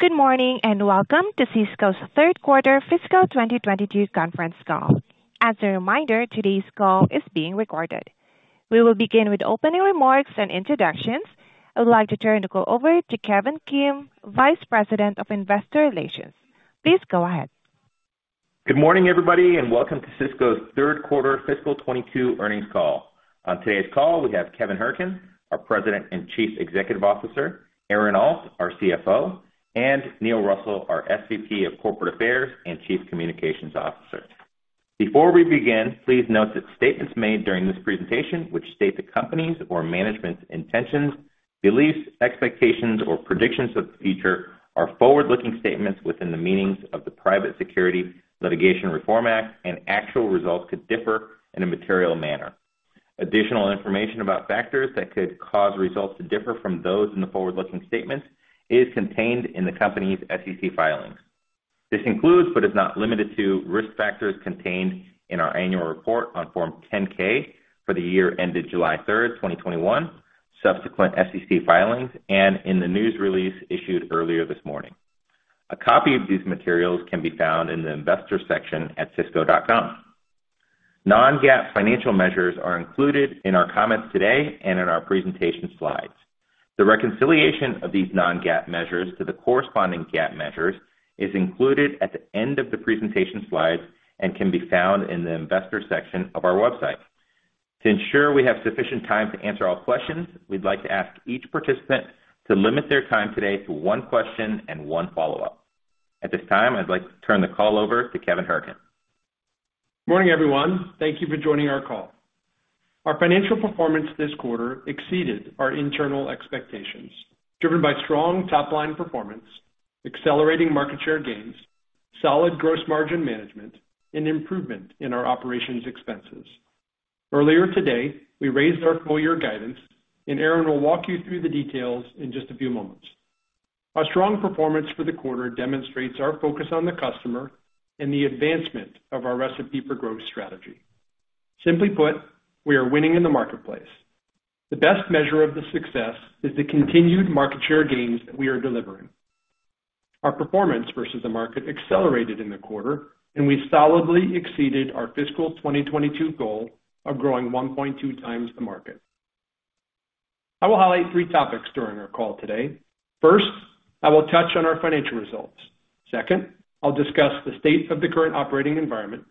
Good morning, and welcome to Sysco's third quarter fiscal 2022 conference call. As a reminder, today's call is being recorded. We will begin with opening remarks and introductions. I would like to turn the call over to Kevin Kim, Vice President of Investor Relations. Please go ahead. Good morning, everybody, and welcome to Sysco's third quarter fiscal 2022 earnings call. On today's call, we have Kevin Hourican, our President and Chief Executive Officer, Aaron Alt, our CFO, and Neil Russell, our SVP of Corporate Affairs and Chief Communications Officer. Before we begin, please note that statements made during this presentation, which state the company's or management's intentions, beliefs, expectations, or predictions of the future, are forward-looking statements within the meanings of the Private Securities Litigation Reform Act, and actual results could differ in a material manner. Additional information about factors that could cause results to differ from those in the forward-looking statements is contained in the company's SEC filings. This includes, but is not limited to, risk factors contained in our annual report on Form 10-K for the year ended July 3rd, 2021, subsequent SEC filings, and in the news release issued earlier this morning. A copy of these materials can be found in the investor section at sysco.com. Non-GAAP financial measures are included in our comments today and in our presentation slides. The reconciliation of these non-GAAP measures to the corresponding GAAP measures is included at the end of the presentation slides and can be found in the investor section of our website. To ensure we have sufficient time to answer all questions, we'd like to ask each participant to limit their time today to one question and one follow-up. At this time, I'd like to turn the call over to Kevin Hourican. Morning, everyone. Thank you for joining our call. Our financial performance this quarter exceeded our internal expectations, driven by strong top-line performance, accelerating market share gains, solid gross margin management, and improvement in our operations expenses. Earlier today, we raised our full-year guidance, and Aaron will walk you through the details in just a few moments. Our strong performance for the quarter demonstrates our focus on the customer and the advancement of our Recipe for Growth strategy. Simply put, we are winning in the marketplace. The best measure of the success is the continued market share gains that we are delivering. Our performance versus the market accelerated in the quarter, and we solidly exceeded our fiscal 2022 goal of growing 1.2 times the market. I will highlight three topics during our call today. First, I will touch on our financial results. Second, I'll discuss the state of the current operating environment.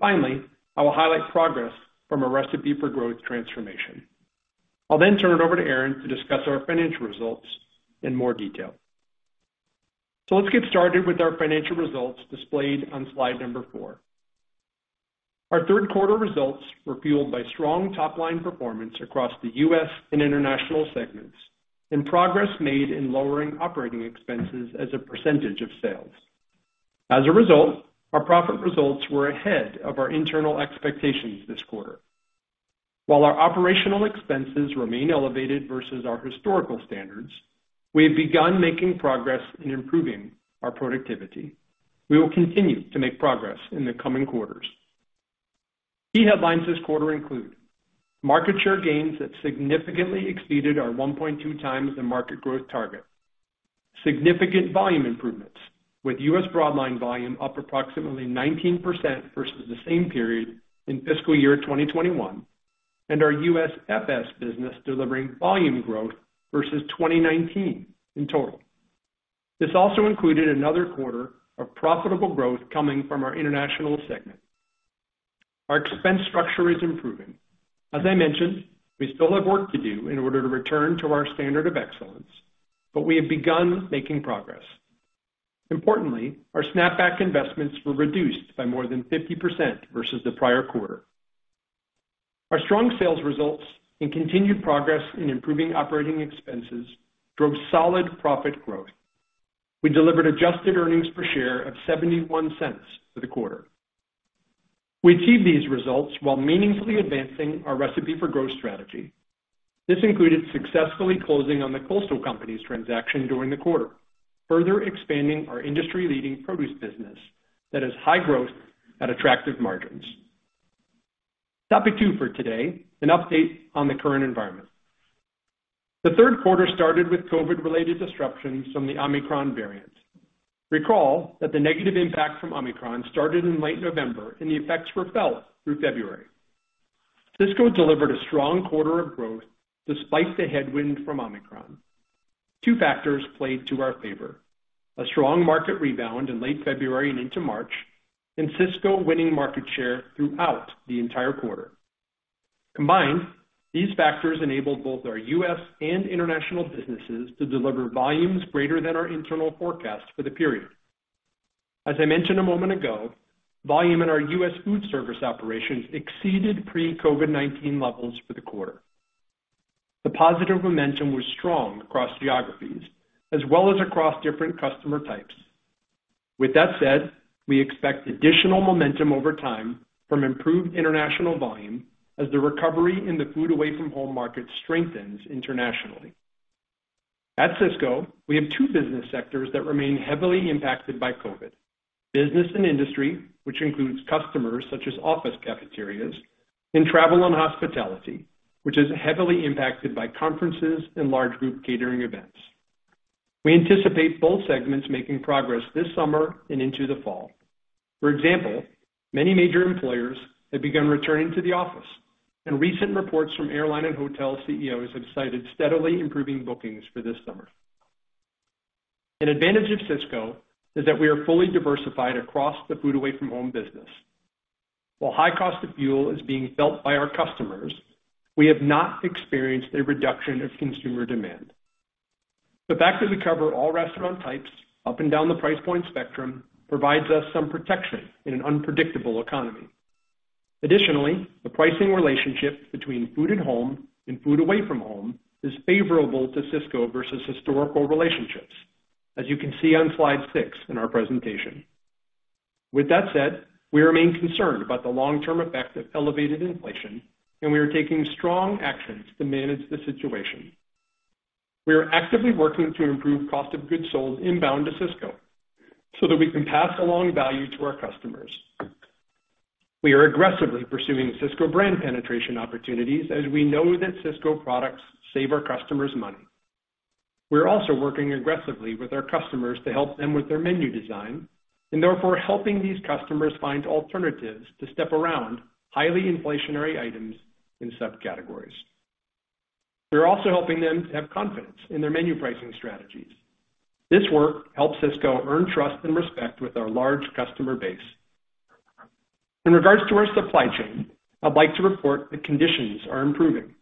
Finally, I will highlight progress from a Recipe for Growth transformation. I'll then turn it over to Aaron to discuss our financial results in more detail. Let's get started with our financial results displayed on slide number four. Our third quarter results were fueled by strong top-line performance across the U.S. and international segments and progress made in lowering operating expenses as a percentage of sales. As a result, our profit results were ahead of our internal expectations this quarter. While our operational expenses remain elevated versus our historical standards, we have begun making progress in improving our productivity. We will continue to make progress in the coming quarters. Key headlines this quarter include market share gains that significantly exceeded our 1.2 times the market growth target. Significant volume improvements, with U.S. broadline volume up approximately 19% versus the same period in fiscal year 2021, and our U.S. FS business delivering volume growth versus 2019 in total. This also included another quarter of profitable growth coming from our international segment. Our expense structure is improving. As I mentioned, we still have work to do in order to return to our standard of excellence, but we have begun making progress. Importantly, our Snapback investments were reduced by more than 50% versus the prior quarter. Our strong sales results and continued progress in improving operating expenses drove solid profit growth. We delivered adjusted earnings per share of $0.71 for the quarter. We achieved these results while meaningfully advancing our Recipe for Growth strategy. This included successfully closing on The Coastal Companies transaction during the quarter, further expanding our industry-leading produce business that is high growth at attractive margins. Topic two for today, an update on the current environment. The third quarter started with COVID-related disruptions from the Omicron variant. Recall that the negative impact from Omicron started in late November and the effects were felt through February. Sysco delivered a strong quarter of growth despite the headwind from Omicron. Two factors played to our favor. A strong market rebound in late February and into March, and Sysco winning market share throughout the entire quarter. Combined, these factors enabled both our U.S. and international businesses to deliver volumes greater than our internal forecast for the period. As I mentioned a moment ago, volume in our U.S. Foodservice Operations exceeded pre-COVID-19 levels for the quarter. The positive momentum was strong across geographies as well as across different customer types. With that said, we expect additional momentum over time from improved international volume as the recovery in the food away from home market strengthens internationally. At Sysco, we have two business sectors that remain heavily impacted by COVID, business and industry, which includes customers such as office cafeterias and travel and hospitality, which is heavily impacted by conferences and large group catering events. We anticipate both segments making progress this summer and into the fall. For example, many major employers have begun returning to the office, and recent reports from airline and hotel CEOs have cited steadily improving bookings for this summer. An advantage of Sysco is that we are fully diversified across the food away from home business. While high cost of fuel is being felt by our customers, we have not experienced a reduction of consumer demand. The fact that we cover all restaurant types up and down the price point spectrum provides us some protection in an unpredictable economy. Additionally, the pricing relationship between food at home and food away from home is favorable to Sysco versus historical relationships, as you can see on slide six in our presentation. With that said, we remain concerned about the long-term effect of elevated inflation, and we are taking strong actions to manage the situation. We are actively working to improve cost of goods sold inbound to Sysco so that we can pass along value to our customers. We are aggressively pursuing Sysco Brand penetration opportunities as we know that Sysco products save our customers money. We are also working aggressively with our customers to help them with their menu design and therefore helping these customers find alternatives to step around highly inflationary items in subcategories. We're also helping them have confidence in their menu pricing strategies. This work helps Sysco earn trust and respect with our large customer base. In regards to our supply chain, I'd like to report that conditions are improving.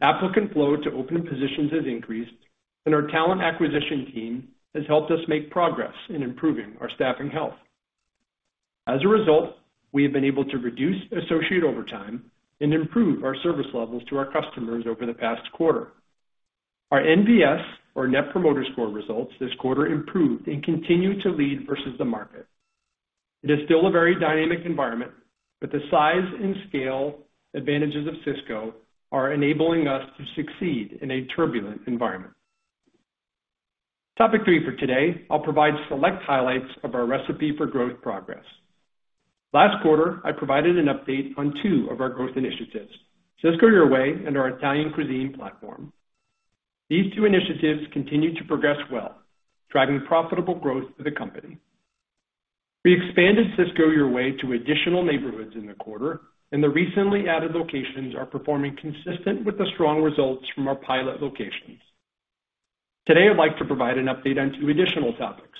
Applicant flow to open positions has increased, and our talent acquisition team has helped us make progress in improving our staffing health. As a result, we have been able to reduce associate overtime and improve our service levels to our customers over the past quarter. Our NPS or net promoter score results this quarter improved and continue to lead versus the market. It is still a very dynamic environment, but the size and scale advantages of Sysco are enabling us to succeed in a turbulent environment. Topic three for today, I'll provide select highlights of our Recipe for Growth progress. Last quarter, I provided an update on two of our growth initiatives, Sysco Your Way and our Italian cuisine platform. These two initiatives continue to progress well, driving profitable growth for the company. We expanded Sysco Your Way to additional neighborhoods in the quarter, and the recently added locations are performing consistent with the strong results from our pilot locations. Today, I'd like to provide an update on two additional topics,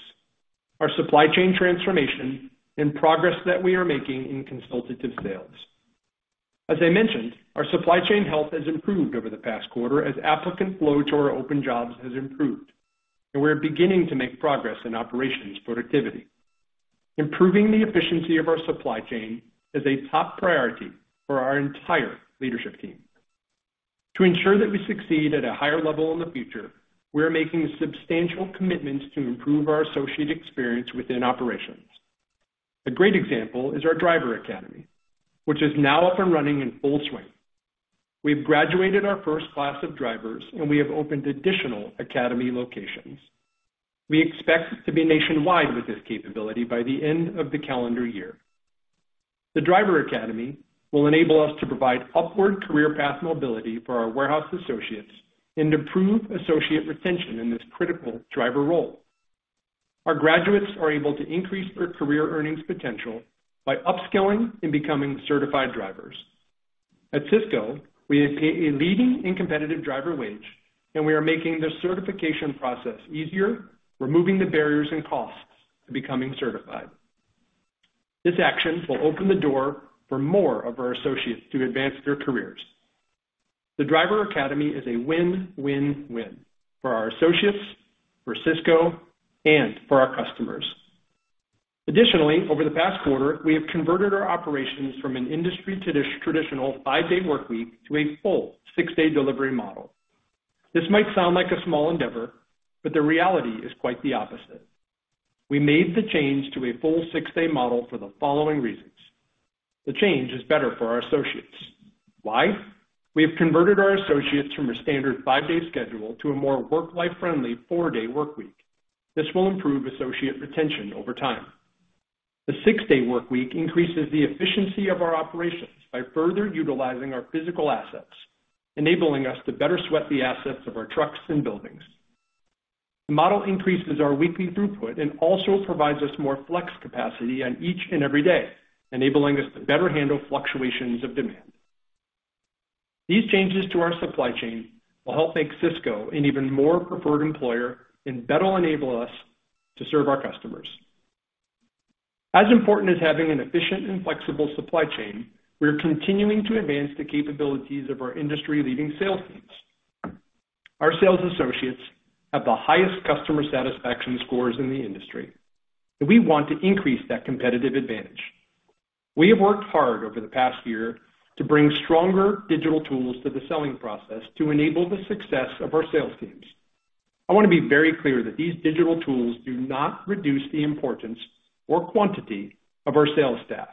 our supply chain transformation and progress that we are making in consultative sales. As I mentioned, our supply chain health has improved over the past quarter as applicant flow to our open jobs has improved, and we are beginning to make progress in operations productivity. Improving the efficiency of our supply chain is a top priority for our entire leadership team. To ensure that we succeed at a higher level in the future, we are making substantial commitments to improve our associate experience within operations. A great example is our driver academy, which is now up and running in full swing. We have graduated our first class of drivers, and we have opened additional academy locations. We expect to be nationwide with this capability by the end of the calendar year. The driver academy will enable us to provide upward career path mobility for our warehouse associates and improve associate retention in this critical driver role. Our graduates are able to increase their career earnings potential by upskilling and becoming certified drivers. At Sysco, we pay a leading and competitive driver wage, and we are making the certification process easier, removing the barriers and costs to becoming certified. This action will open the door for more of our associates to advance their careers. The driver academy is a win-win-win for our associates, for Sysco, and for our customers. Additionally, over the past quarter, we have converted our operations from an industry traditional five-day workweek to a full six-day delivery model. This might sound like a small endeavor, but the reality is quite the opposite. We made the change to a full six-day model for the following reasons. The change is better for our associates. Why? We have converted our associates from a standard five-day schedule to a more work-life friendly four-day workweek. This will improve associate retention over time. The six-day workweek increases the efficiency of our operations by further utilizing our physical assets, enabling us to better sweat the assets of our trucks and buildings. The model increases our weekly throughput and also provides us more flex capacity on each and every day, enabling us to better handle fluctuations of demand. These changes to our supply chain will help make Sysco an even more preferred employer and better enable us to serve our customers. As important as having an efficient and flexible supply chain, we are continuing to advance the capabilities of our industry leading sales teams. Our sales associates have the highest customer satisfaction scores in the industry, and we want to increase that competitive advantage. We have worked hard over the past year to bring stronger digital tools to the selling process to enable the success of our sales teams. I want to be very clear that these digital tools do not reduce the importance or quantity of our sales staff.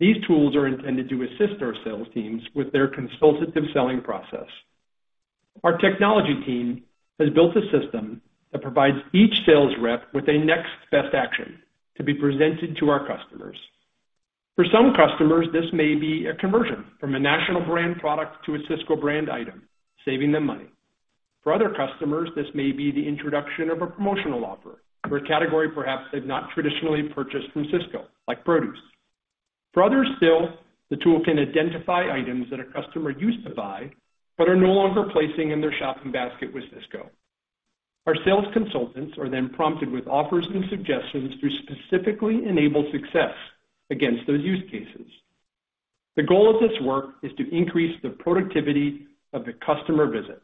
These tools are intended to assist our sales teams with their consultative selling process. Our technology team has built a system that provides each sales rep with a next best action to be presented to our customers. For some customers, this may be a conversion from a national brand product to a Sysco brand item, saving them money. For other customers, this may be the introduction of a promotional offer for a category perhaps they've not traditionally purchased from Sysco, like produce. For others still, the tool can identify items that a customer used to buy but are no longer placing in their shopping basket with Sysco. Our sales consultants are then prompted with offers and suggestions to specifically enable success against those use cases. The goal of this work is to increase the productivity of the customer visit.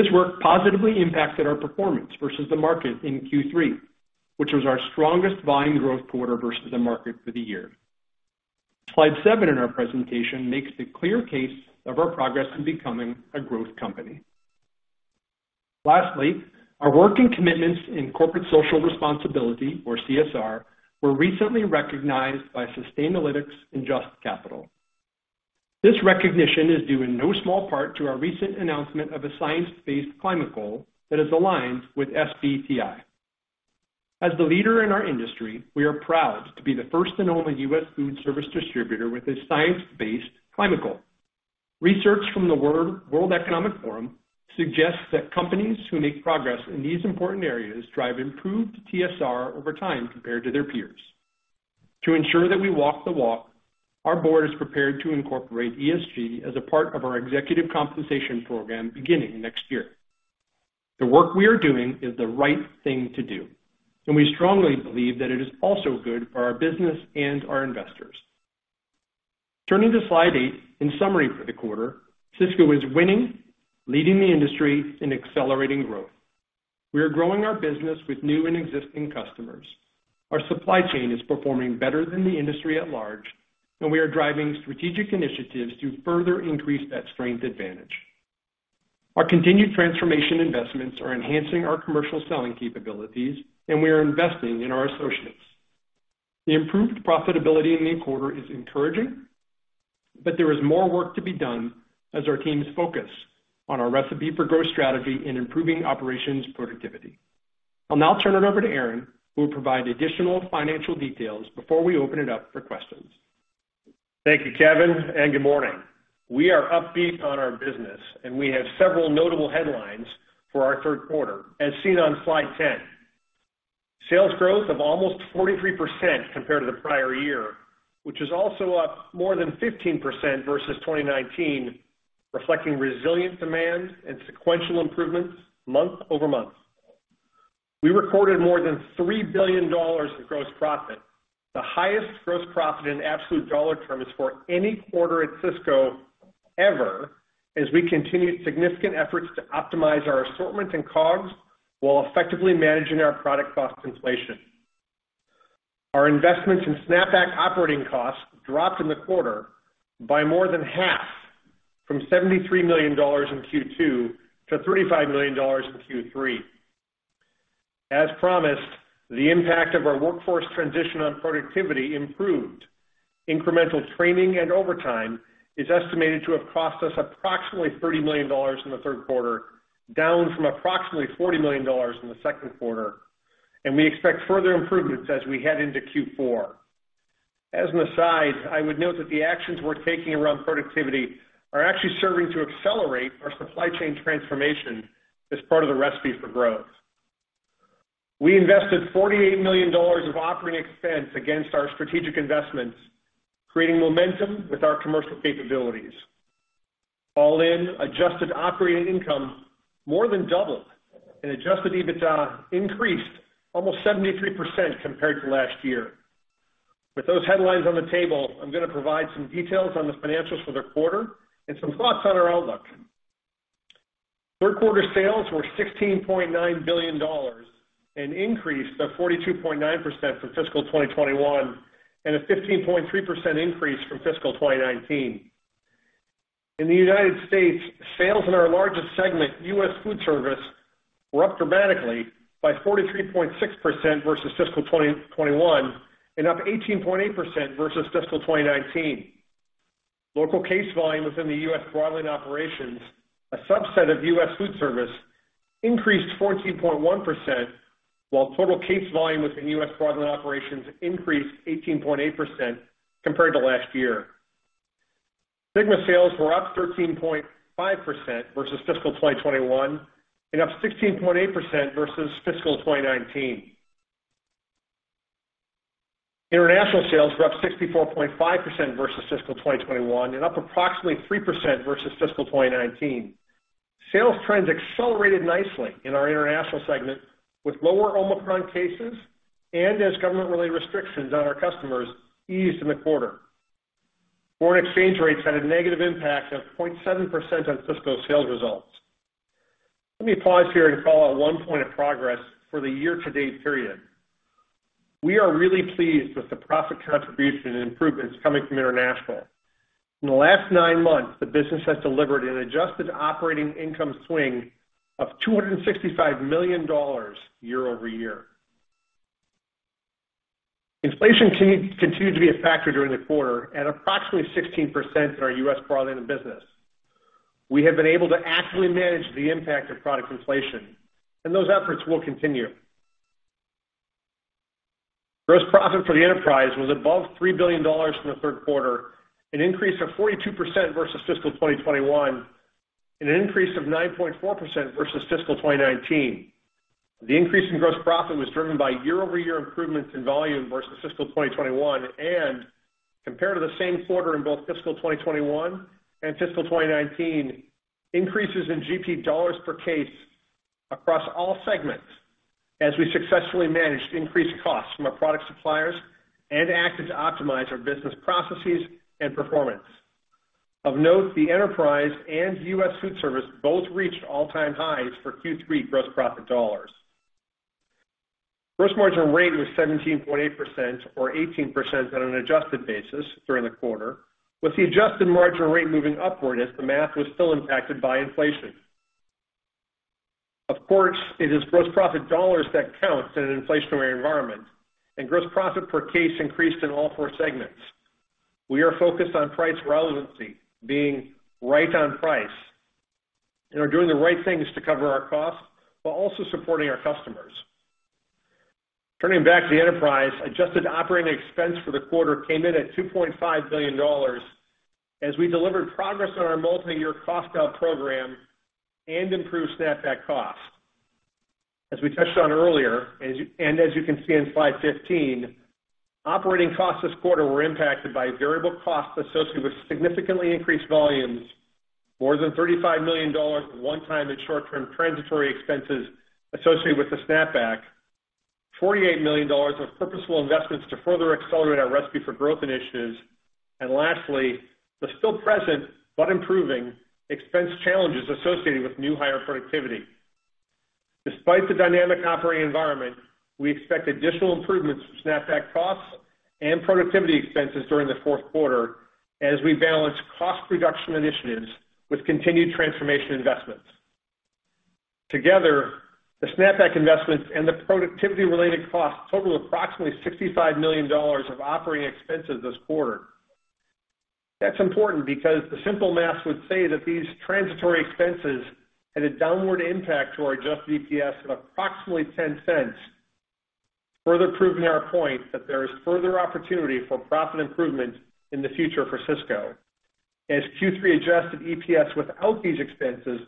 This work positively impacted our performance versus the market in Q3, which was our strongest volume growth quarter versus the market for the year. Slide seven in our presentation makes the clear case of our progress in becoming a growth company. Lastly, our work and commitments in corporate social responsibility, or CSR, were recently recognized by Sustainalytics and JUST Capital. This recognition is due in no small part to our recent announcement of a science-based climate goal that is aligned with SBTi. As the leader in our industry, we are proud to be the first and only U.S. foodservice distributor with a science-based climate goal. Research from the World Economic Forum suggests that companies who make progress in these important areas drive improved TSR over time compared to their peers. To ensure that we walk the walk, our board is prepared to incorporate ESG as a part of our executive compensation program beginning next year. The work we are doing is the right thing to do, and we strongly believe that it is also good for our business and our investors. Turning to slide eight, in summary for the quarter, Sysco is winning, leading the industry in accelerating growth. We are growing our business with new and existing customers. Our supply chain is performing better than the industry at large, and we are driving strategic initiatives to further increase that strength advantage. Our continued transformation investments are enhancing our commercial selling capabilities, and we are investing in our associates. The improved profitability in the quarter is encouraging, but there is more work to be done as our teams focus on our Recipe for Growth strategy in improving operations productivity. I'll now turn it over to Aaron, who will provide additional financial details before we open it up for questions. Thank you, Kevin, and good morning. We are upbeat on our business, and we have several notable headlines for our third quarter, as seen on slide 10. Sales growth of almost 43% compared to the prior year, which is also up more than 15% versus 2019, reflecting resilient demand and sequential improvements month-over-month. We recorded more than $3 billion in gross profit, the highest gross profit in absolute dollar terms for any quarter at Sysco ever, as we continued significant efforts to optimize our assortment and COGS while effectively managing our product cost inflation. Our investments in Snapback operating costs dropped in the quarter by more than half from $73 million in Q2 to $35 million in Q3. As promised, the impact of our workforce transition on productivity improved. Incremental training and overtime is estimated to have cost us approximately $30 million in the third quarter, down from approximately $40 million in the second quarter, and we expect further improvements as we head into Q4. As an aside, I would note that the actions we're taking around productivity are actually serving to accelerate our supply chain transformation as part of the Recipe for Growth. We invested $48 million of operating expense against our strategic investments, creating momentum with our commercial capabilities. All in, adjusted operating income more than doubled and adjusted EBITDA increased almost 73% compared to last year. With those headlines on the table, I'm going to provide some details on the financials for the quarter and some thoughts on our outlook. Third quarter sales were $16.9 billion, an increase of 42.9% from fiscal 2021 and a 15.3% increase from fiscal 2019. In the United States, sales in our largest segment, U.S. Foodservice, were up dramatically by 43.6% versus fiscal 2021 and up 18.8% versus fiscal 2019. Local case volume within the U.S. Broadline Operations, a subset of U.S. Foodservice, increased 14.1%, while total case volume within U.S. Broadline Operations increased 18.8% compared to last year. SYGMA sales were up 13.5% versus fiscal 2021 and up 16.8% versus fiscal 2019. International sales were up 64.5% versus fiscal 2021 and up approximately 3% versus fiscal 2019. Sales trends accelerated nicely in our International segment with lower Omicron cases and as government-related restrictions on our customers eased in the quarter. Foreign exchange rates had a negative impact of 0.7% on Sysco's sales results. Let me pause here and call out one point of progress for the year-to-date period. We are really pleased with the profit contribution and improvements coming from International. In the last nine months, the business has delivered an adjusted operating income swing of $265 million year-over-year. Inflation continued to be a factor during the quarter at approximately 16% in our U.S. broadline business. We have been able to actively manage the impact of product inflation, and those efforts will continue. Gross profit for the enterprise was above $3 billion in the third quarter, an increase of 42% versus fiscal 2021, and an increase of 9.4% versus fiscal 2019. The increase in gross profit was driven by year-over-year improvements in volume versus fiscal 2021 and compared to the same quarter in both fiscal 2021 and fiscal 2019, increases in GP dollars per case across all segments as we successfully managed increased costs from our product suppliers and acted to optimize our business processes and performance. Of note, the enterprise and U.S. Foodservice both reached all-time highs for Q3 gross profit dollars. Gross margin rate was 17.8% or 18% on an adjusted basis during the quarter, with the adjusted margin rate moving upward as the mix was still impacted by inflation. Of course, it is gross profit dollars that count in an inflationary environment, and gross profit per case increased in all four segments. We are focused on price relevancy, being right on price, and are doing the right things to cover our costs while also supporting our customers. Turning back to the enterprise, adjusted operating expense for the quarter came in at $2.5 billion as we delivered progress on our multiyear cost out program and improved Snapback costs. As we touched on earlier, and as you can see in slide 15, operating costs this quarter were impacted by variable costs associated with significantly increased volumes, more than $35 million of one-time and short-term transitory expenses associated with the Snapback, $48 million of purposeful investments to further accelerate our Recipe for Growth initiatives, and lastly, the still present, but improving expense challenges associated with new hire productivity. Despite the dynamic operating environment, we expect additional improvements to Snapback costs and productivity expenses during the fourth quarter as we balance cost reduction initiatives with continued transformation investments. Together, the Snapback investments and the productivity-related costs total approximately $65 million of operating expenses this quarter. That's important because the simple math would say that these transitory expenses had a downward impact to our adjusted EPS of approximately $0.10, further proving our point that there is further opportunity for profit improvement in the future for Sysco, as Q3 adjusted EPS without these expenses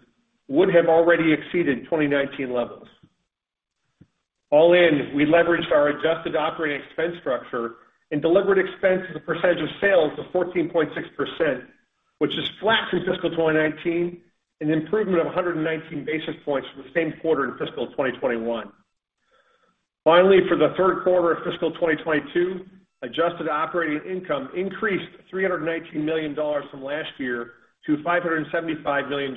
would have already exceeded 2019 levels. All in, we leveraged our adjusted operating expense structure and delivered expense as a percentage of sales to 14.6%, which is flat through fiscal 2019, an improvement of 119 basis points from the same quarter in fiscal 2021. Finally, for the third quarter of fiscal 2022, adjusted operating income increased $319 million from last year to $575 million.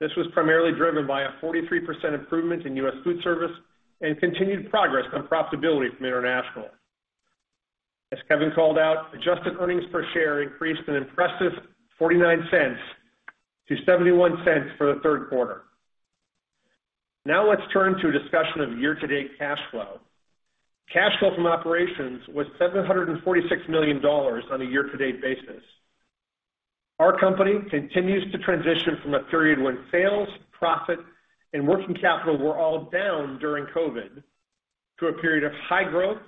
This was primarily driven by a 43% improvement in U.S. Foodservice and continued progress on profitability from International. As Kevin called out, adjusted earnings per share increased an impressive $0.49 to $0.71 for the third quarter. Now let's turn to a discussion of year-to-date cash flow. Cash flow from operations was $746 million on a year-to-date basis. Our company continues to transition from a period when sales, profit, and working capital were all down during COVID to a period of high growth,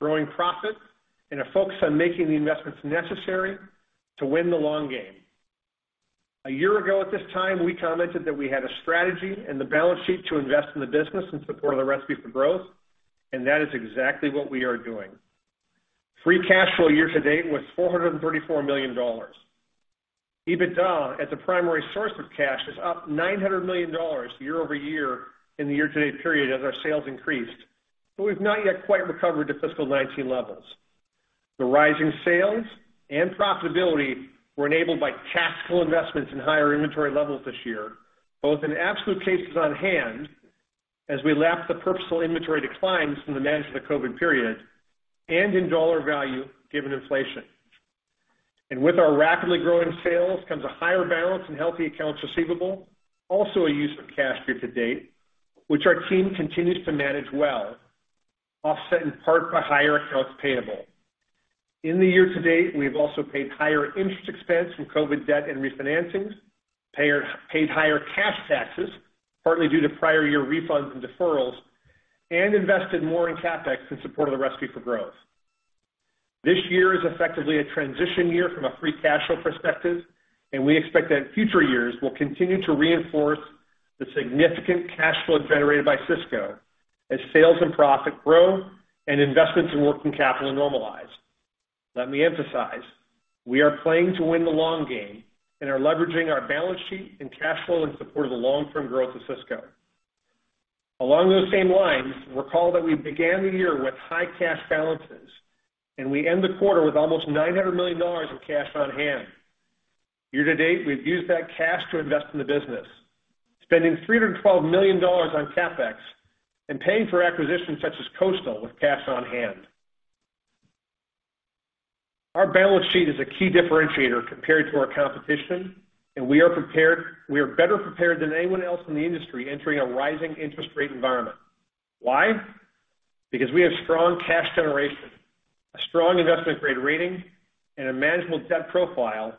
growing profits, and a focus on making the investments necessary to win the long game. A year ago at this time, we commented that we had a strategy and the balance sheet to invest in the business in support of the Recipe for Growth, and that is exactly what we are doing. Free cash flow year to date was $434 million. EBITDA as a primary source of cash is up $900 million year-over-year in the year-to-date period as our sales increased, but we've not yet quite recovered to fiscal 2019 levels. The rising sales and profitability were enabled by tactical investments in higher inventory levels this year, both in absolute cases on hand as we lap the purposeful inventory declines from the management of COVID period and in dollar value given inflation. With our rapidly growing sales comes a higher balance in healthy accounts receivable, also a use of cash year to date, which our team continues to manage well, offset in part by higher accounts payable. In the year to date, we have also paid higher interest expense from COVID debt and refinancings, paid higher cash taxes, partly due to prior year refunds and deferrals, and invested more in CapEx in support of the Recipe for Growth. This year is effectively a transition year from a free cash flow perspective, and we expect that in future years, we'll continue to reinforce the significant cash flow generated by Sysco as sales and profit grow and investments in working capital normalize. Let me emphasize, we are playing to win the long game and are leveraging our balance sheet and cash flow in support of the long-term growth of Sysco. Along those same lines, recall that we began the year with high cash balances, and we end the quarter with almost $900 million of cash on hand. Year to date, we've used that cash to invest in the business, spending $312 million on CapEx and paying for acquisitions such as Coastal with cash on hand. Our balance sheet is a key differentiator compared to our competition, and we are better prepared than anyone else in the industry entering a rising interest rate environment. Why? Because we have strong cash generation, a strong investment-grade rating, and a manageable debt profile,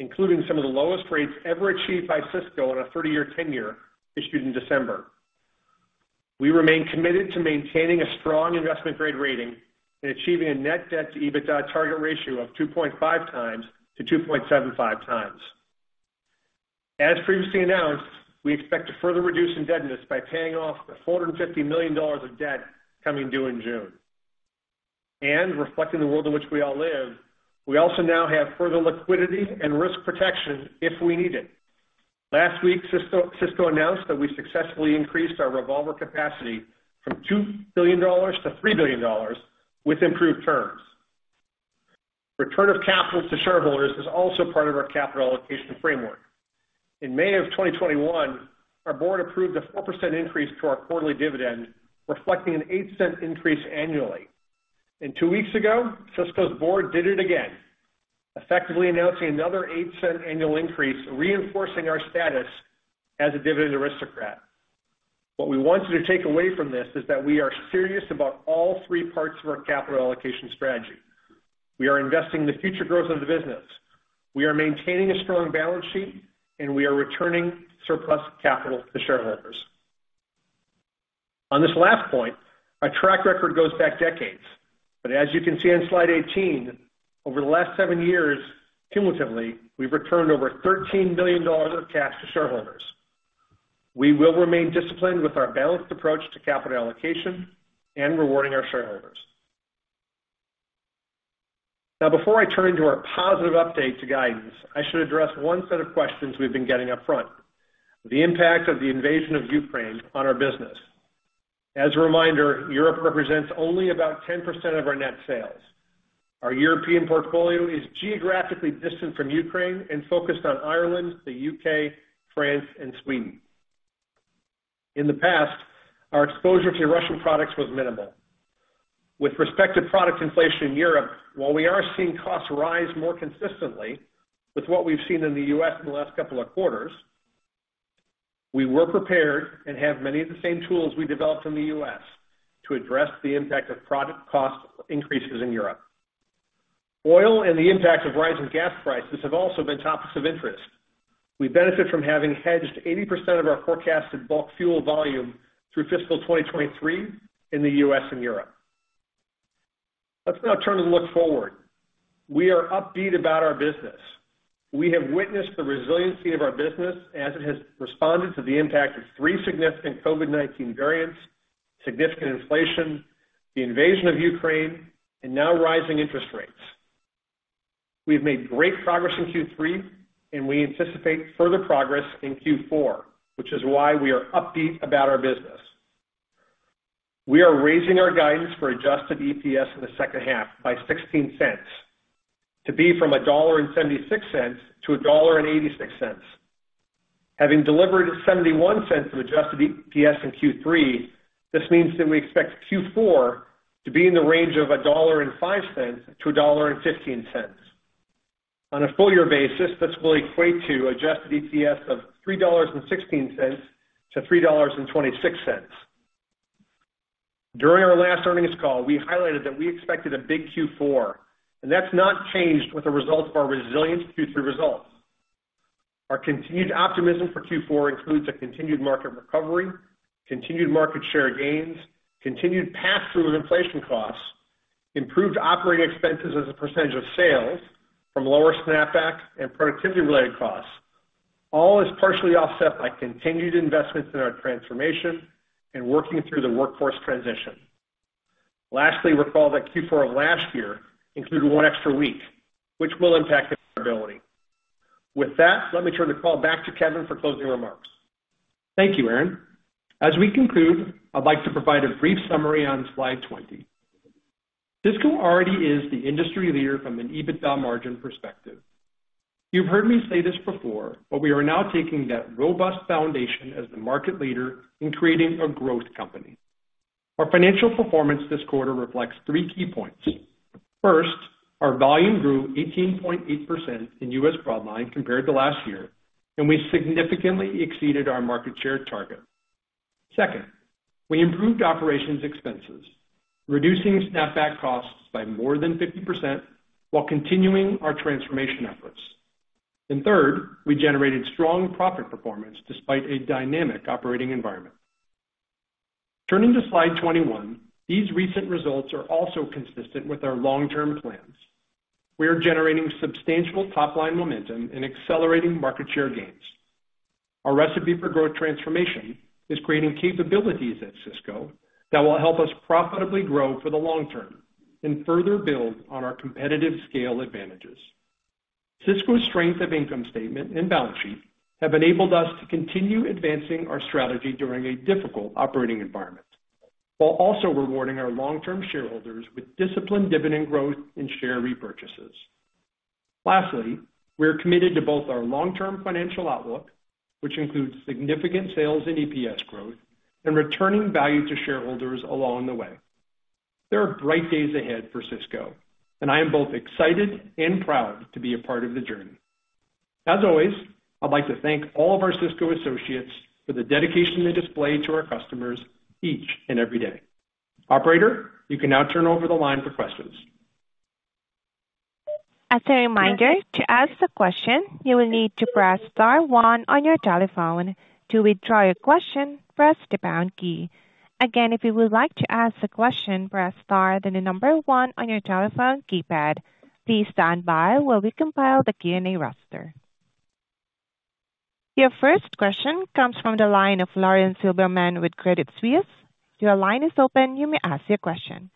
including some of the lowest rates ever achieved by Sysco in a thirty-year tenure issued in December. We remain committed to maintaining a strong investment-grade rating and achieving a net debt-to-EBITDA target ratio of 2.5x-2.75x. As previously announced, we expect to further reduce indebtedness by paying off the $450 million of debt coming due in June. Reflecting the world in which we all live, we also now have further liquidity and risk protection if we need it. Last week, Sysco announced that we successfully increased our revolver capacity from $2 billion-$3 billion with improved terms. Return of capital to shareholders is also part of our capital allocation framework. In May of 2021, our board approved a 4% increase to our quarterly dividend, reflecting an 8-cent increase annually. Two weeks ago, Sysco's board did it again, effectively announcing another 8-cent annual increase, reinforcing our status as a dividend aristocrat. What we want you to take away from this is that we are serious about all three parts of our capital allocation strategy. We are investing in the future growth of the business. We are maintaining a strong balance sheet, and we are returning surplus capital to shareholders. On this last point, our track record goes back decades. As you can see on slide 18, over the last seven years, cumulatively, we've returned over $13 billion of cash to shareholders. We will remain disciplined with our balanced approach to capital allocation and rewarding our shareholders. Now, before I turn to our positive update to guidance, I should address one set of questions we've been getting up front, the impact of the invasion of Ukraine on our business. As a reminder, Europe represents only about 10% of our net sales. Our European portfolio is geographically distant from Ukraine and focused on Ireland, the U.K., France, and Sweden. In the past, our exposure to Russian products was minimal. With respect to product inflation in Europe, while we are seeing costs rise more consistently with what we've seen in the U.S. in the last couple of quarters, we were prepared and have many of the same tools we developed in the U.S. to address the impact of product cost increases in Europe. Oil and the impact of rising gas prices have also been topics of interest. We benefit from having hedged 80% of our forecasted bulk fuel volume through fiscal 2023 in the U.S. and Europe. Let's now turn and look forward. We are upbeat about our business. We have witnessed the resiliency of our business as it has responded to the impact of three significant COVID-19 variants, significant inflation, the invasion of Ukraine, and now rising interest rates. We've made great progress in Q3, and we anticipate further progress in Q4, which is why we are upbeat about our business. We are raising our guidance for adjusted EPS in the second half by $0.16 to $1.76-$1.86. Having delivered $0.71 of adjusted EPS in Q3, this means that we expect Q4 to be in the range of $1.05-$1.15. On a full year basis, this will equate to adjusted EPS of $3.16-$3.26. During our last earnings call, we highlighted that we expected a big Q4, and that's not changed with the results of our resilient Q3 results. Our continued optimism for Q4 includes a continued market recovery, continued market share gains, continued pass-through of inflation costs, improved operating expenses as a percentage of sales from lower Snapback and productivity-related costs, all is partially offset by continued investments in our transformation and working through the workforce transition. Lastly, recall that Q4 of last year included one extra week, which will impact the comparability. With that, let me turn the call back to Kevin for closing remarks. Thank you, Aaron. As we conclude, I'd like to provide a brief summary on slide 20. Sysco already is the industry leader from an EBITDA margin perspective. You've heard me say this before, but we are now taking that robust foundation as the market leader in creating a growth company. Our financial performance this quarter reflects three key points. First, our volume grew 18.8% in U.S. broadline compared to last year, and we significantly exceeded our market share target. Second, we improved operations expenses, reducing Snapback costs by more than 50% while continuing our transformation efforts. Third, we generated strong profit performance despite a dynamic operating environment. Turning to slide 21, these recent results are also consistent with our long-term plans. We are generating substantial top-line momentum and accelerating market share gains. Our Recipe for Growth transformation is creating capabilities at Sysco that will help us profitably grow for the long term and further build on our competitive scale advantages. Sysco's strength of income statement and balance sheet have enabled us to continue advancing our strategy during a difficult operating environment while also rewarding our long-term shareholders with disciplined dividend growth and share repurchases. Lastly, we are committed to both our long-term financial outlook, which includes significant sales and EPS growth and returning value to shareholders along the way. There are bright days ahead for Sysco, and I am both excited and proud to be a part of the journey. As always, I'd like to thank all of our Sysco associates for the dedication they display to our customers each and every day. Operator, you can now turn over the line for questions. As a reminder, to ask a question, you will need to press star one on your telephone. To withdraw your question, press the pound key. Again, if you would like to ask a question, press star, then the number one on your telephone keypad. Please stand by while we compile the Q&A roster. Your first question comes from the line of Lauren Silberman with Credit Suisse. Your line is open. You may ask your question.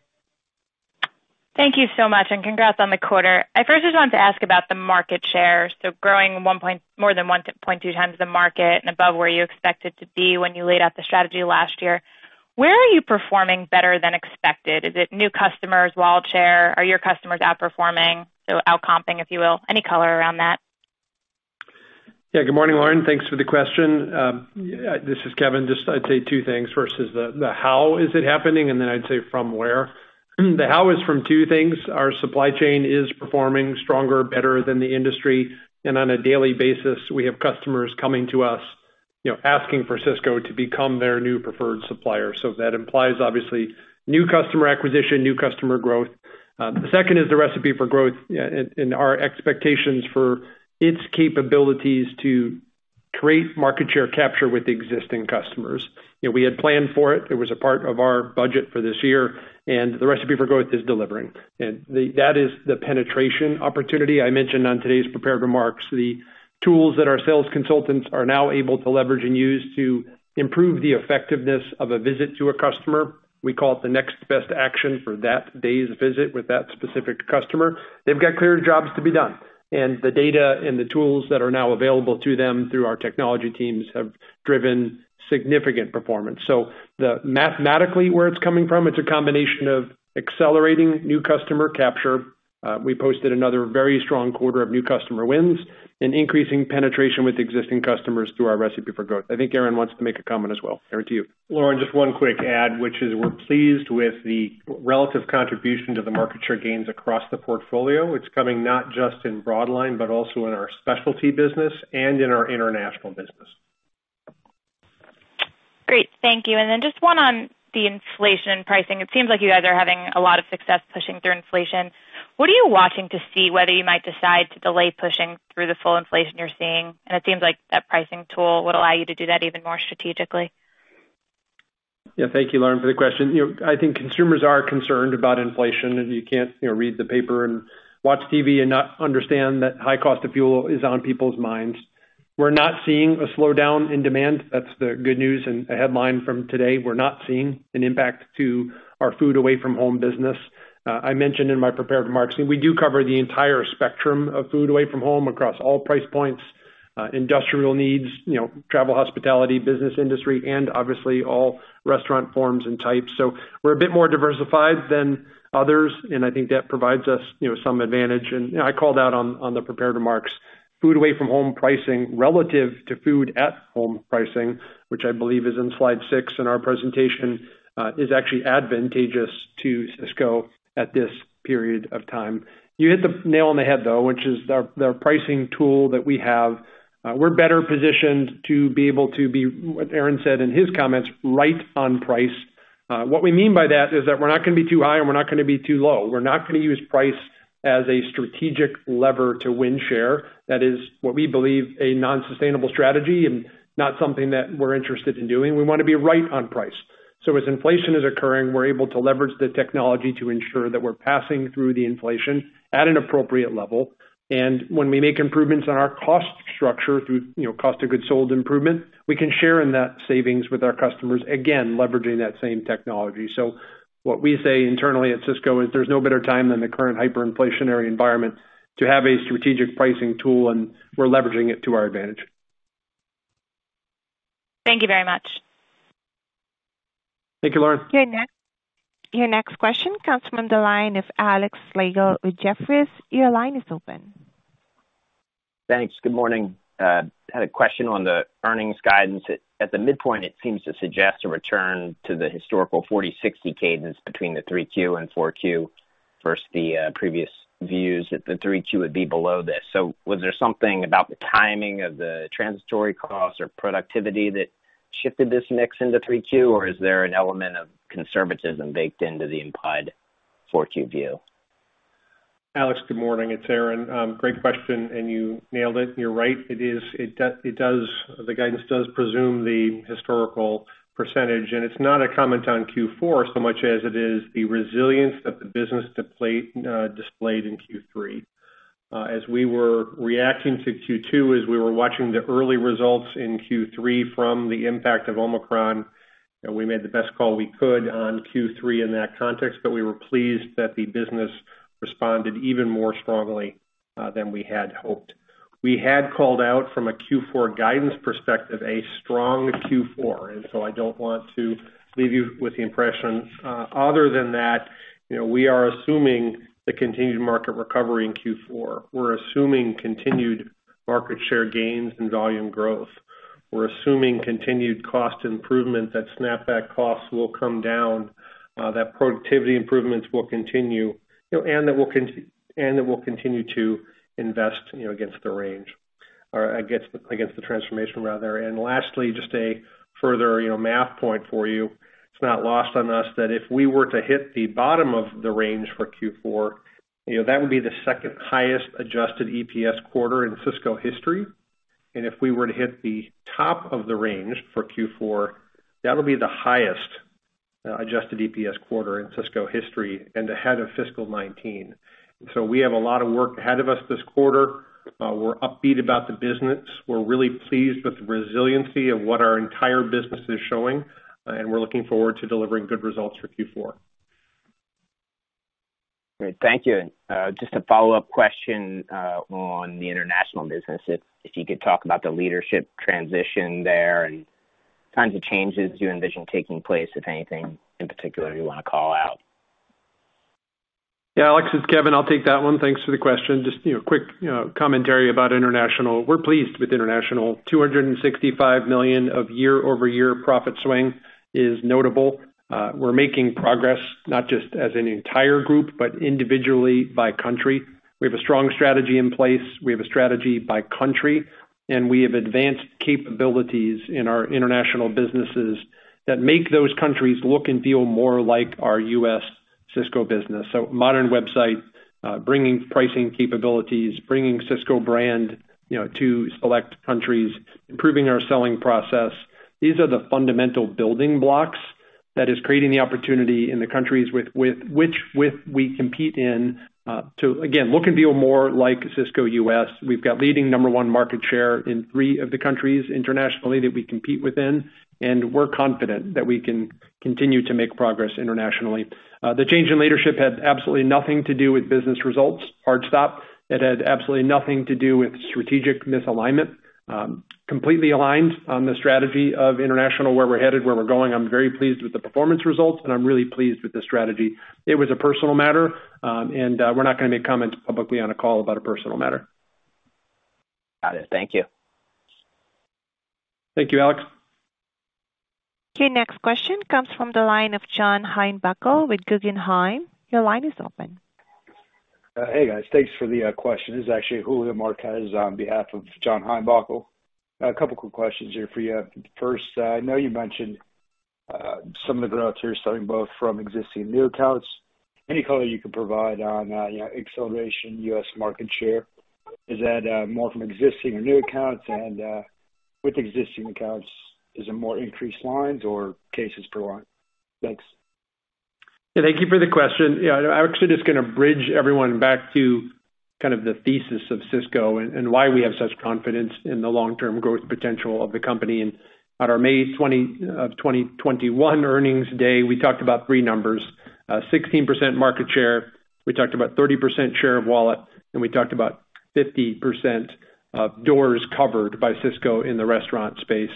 Thank you so much, and congrats on the quarter. I first just wanted to ask about the market share. Growing 1 point, more than 1.2 times the market and above where you expected to be when you laid out the strategy last year. Where are you performing better than expected? Is it new customers, wallet share? Are your customers outperforming, so outpacing, if you will? Any color around that? Yeah. Good morning, Lauren. Thanks for the question. This is Kevin. Just, I'd say two things versus the how is it happening, and then I'd say from where. The how is from two things. Our supply chain is performing stronger, better than the industry. On a daily basis, we have customers coming to us, you know, asking for Sysco to become their new preferred supplier. So that implies, obviously, new customer acquisition, new customer growth. The second is the Recipe for Growth and our expectations for its capabilities to create market share capture with existing customers. You know, we had planned for it. It was a part of our budget for this year, and the Recipe for Growth is delivering. That is the penetration opportunity I mentioned on today's prepared remarks. The tools that our sales consultants are now able to leverage and use to improve the effectiveness of a visit to a customer. We call it the next best action for that day's visit with that specific customer. They've got clear jobs to be done, and the data and the tools that are now available to them through our technology teams have driven significant performance. Mathematically, where it's coming from, it's a combination of accelerating new customer capture. We posted another very strong quarter of new customer wins and increasing penetration with existing customers through our Recipe for Growth. I think Aaron wants to make a comment as well. Aaron, to you. Lauren, just one quick add, which is we're pleased with the relative contribution to the market share gains across the portfolio. It's coming not just in Broadline, but also in our specialty business and in our international business. Great. Thank you. Just one on the inflation pricing. It seems like you guys are having a lot of success pushing through inflation. What are you watching to see whether you might decide to delay pushing through the full inflation you're seeing? It seems like that pricing tool would allow you to do that even more strategically. Yeah. Thank you, Lauren, for the question. You know, I think consumers are concerned about inflation, and you can't, you know, read the paper and watch TV and not understand that high cost of fuel is on people's minds. We're not seeing a slowdown in demand. That's the good news and a headline from today. We're not seeing an impact to our food away from home business. I mentioned in my prepared remarks that we do cover the entire spectrum of food away from home across all price points, industrial needs, you know, travel, hospitality, business industry, and obviously all restaurant forms and types. So we're a bit more diversified than others, and I think that provides us, you know, some advantage. You know, I called out on the prepared remarks, food away from home pricing relative to food at home pricing, which I believe is in slide 6 in our presentation, is actually advantageous to Sysco at this period of time. You hit the nail on the head, though, which is the pricing tool that we have. We're better positioned to be what Aaron said in his comments, right on price. What we mean by that is that we're not gonna be too high, and we're not gonna be too low. We're not gonna use price as a strategic lever to win share. That is what we believe a non-sustainable strategy and not something that we're interested in doing. We wanna be right on price. As inflation is occurring, we're able to leverage the technology to ensure that we're passing through the inflation at an appropriate level. When we make improvements on our cost structure through, you know, cost of goods sold improvement, we can share in that savings with our customers, again, leveraging that same technology. What we say internally at Sysco is there's no better time than the current hyperinflationary environment to have a strategic pricing tool, and we're leveraging it to our advantage. Thank you very much. Thank you, Lauren. Your next question comes from the line of Alex Slagle with Jefferies. Your line is open. Thanks. Good morning. Had a question on the earnings guidance. At the midpoint, it seems to suggest a return to the historical 40/60 cadence between the 3Q and 4Q versus the previous views that the 3Q would be below this. Was there something about the timing of the transitory costs or productivity that shifted this mix into 3Q, or is there an element of conservatism baked into the implied 4Q view? Alex, good morning. It's Aaron. Great question, and you nailed it. You're right. The guidance does presume the historical percentage, and it's not a comment on Q4 so much as it is the resilience that the business displayed in Q3. As we were reacting to Q2, as we were watching the early results in Q3 from the impact of Omicron, and we made the best call we could on Q3 in that context, but we were pleased that the business responded even more strongly than we had hoped. We had called out from a Q4 guidance perspective, a strong Q4. I don't want to leave you with the impression, other than that, you know, we are assuming the continued market recovery in Q4. We're assuming continued market share gains and volume growth. We're assuming continued cost improvement, that Snapback costs will come down, that productivity improvements will continue, you know, and that we'll continue to invest, you know, against the range or against the transformation rather. Lastly, just a further, you know, math point for you. It's not lost on us that if we were to hit the bottom of the range for Q4, you know, that would be the second highest adjusted EPS quarter in Sysco history. If we were to hit the top of the range for Q4, that'll be the highest adjusted EPS quarter in Sysco history and ahead of fiscal 2019. We have a lot of work ahead of us this quarter. We're upbeat about the business. We're really pleased with the resiliency of what our entire business is showing, and we're looking forward to delivering good results for Q4. Great. Thank you. Just a follow-up question on the international business. If you could talk about the leadership transition there and kinds of changes you envision taking place, if anything in particular you wanna call out? Yeah, Alex, it's Kevin. I'll take that one. Thanks for the question. Just, you know, quick, you know, commentary about international. We're pleased with international. $265 million of year-over-year profit swing is notable. We're making progress not just as an entire group, but individually by country. We have a strong strategy in place. We have a strategy by country, and we have advanced capabilities in our international businesses that make those countries look and feel more like our U.S. Sysco business. Modern website, bringing pricing capabilities, bringing Sysco Brand, you know, to select countries, improving our selling process. These are the fundamental building blocks that is creating the opportunity in the countries with which we compete in, to again, look and feel more like Sysco U.S. We've got leading number one market share in three of the countries internationally that we compete within, and we're confident that we can continue to make progress internationally. The change in leadership had absolutely nothing to do with business results. Hard stop. It had absolutely nothing to do with strategic misalignment. Completely aligned on the strategy of international, where we're headed, where we're going. I'm very pleased with the performance results, and I'm really pleased with the strategy. It was a personal matter, and we're not gonna make comments publicly on a call about a personal matter. Got it. Thank you. Thank you, Alex. Okay. Next question comes from the line of John Heinbockel with Guggenheim. Your line is open. Hey, guys. Thanks for the question. This is actually Julio Marquez on behalf of John Heinbockel. A couple quick questions here for you. First, I know you mentioned some of the growth here starting both from existing new accounts. Any color you could provide on, you know, acceleration U.S. market share? Is that more from existing or new accounts? With existing accounts, is it more increased lines or cases per line? Thanks. Yeah, thank you for the question. Yeah, I actually just gonna bridge everyone back to kind of the thesis of Sysco and why we have such confidence in the long-term growth potential of the company. At our May 2021 earnings day, we talked about three numbers, sixteen percent market share. We talked about 30% share of wallet, and we talked about 50% of doors covered by Sysco in the restaurant space.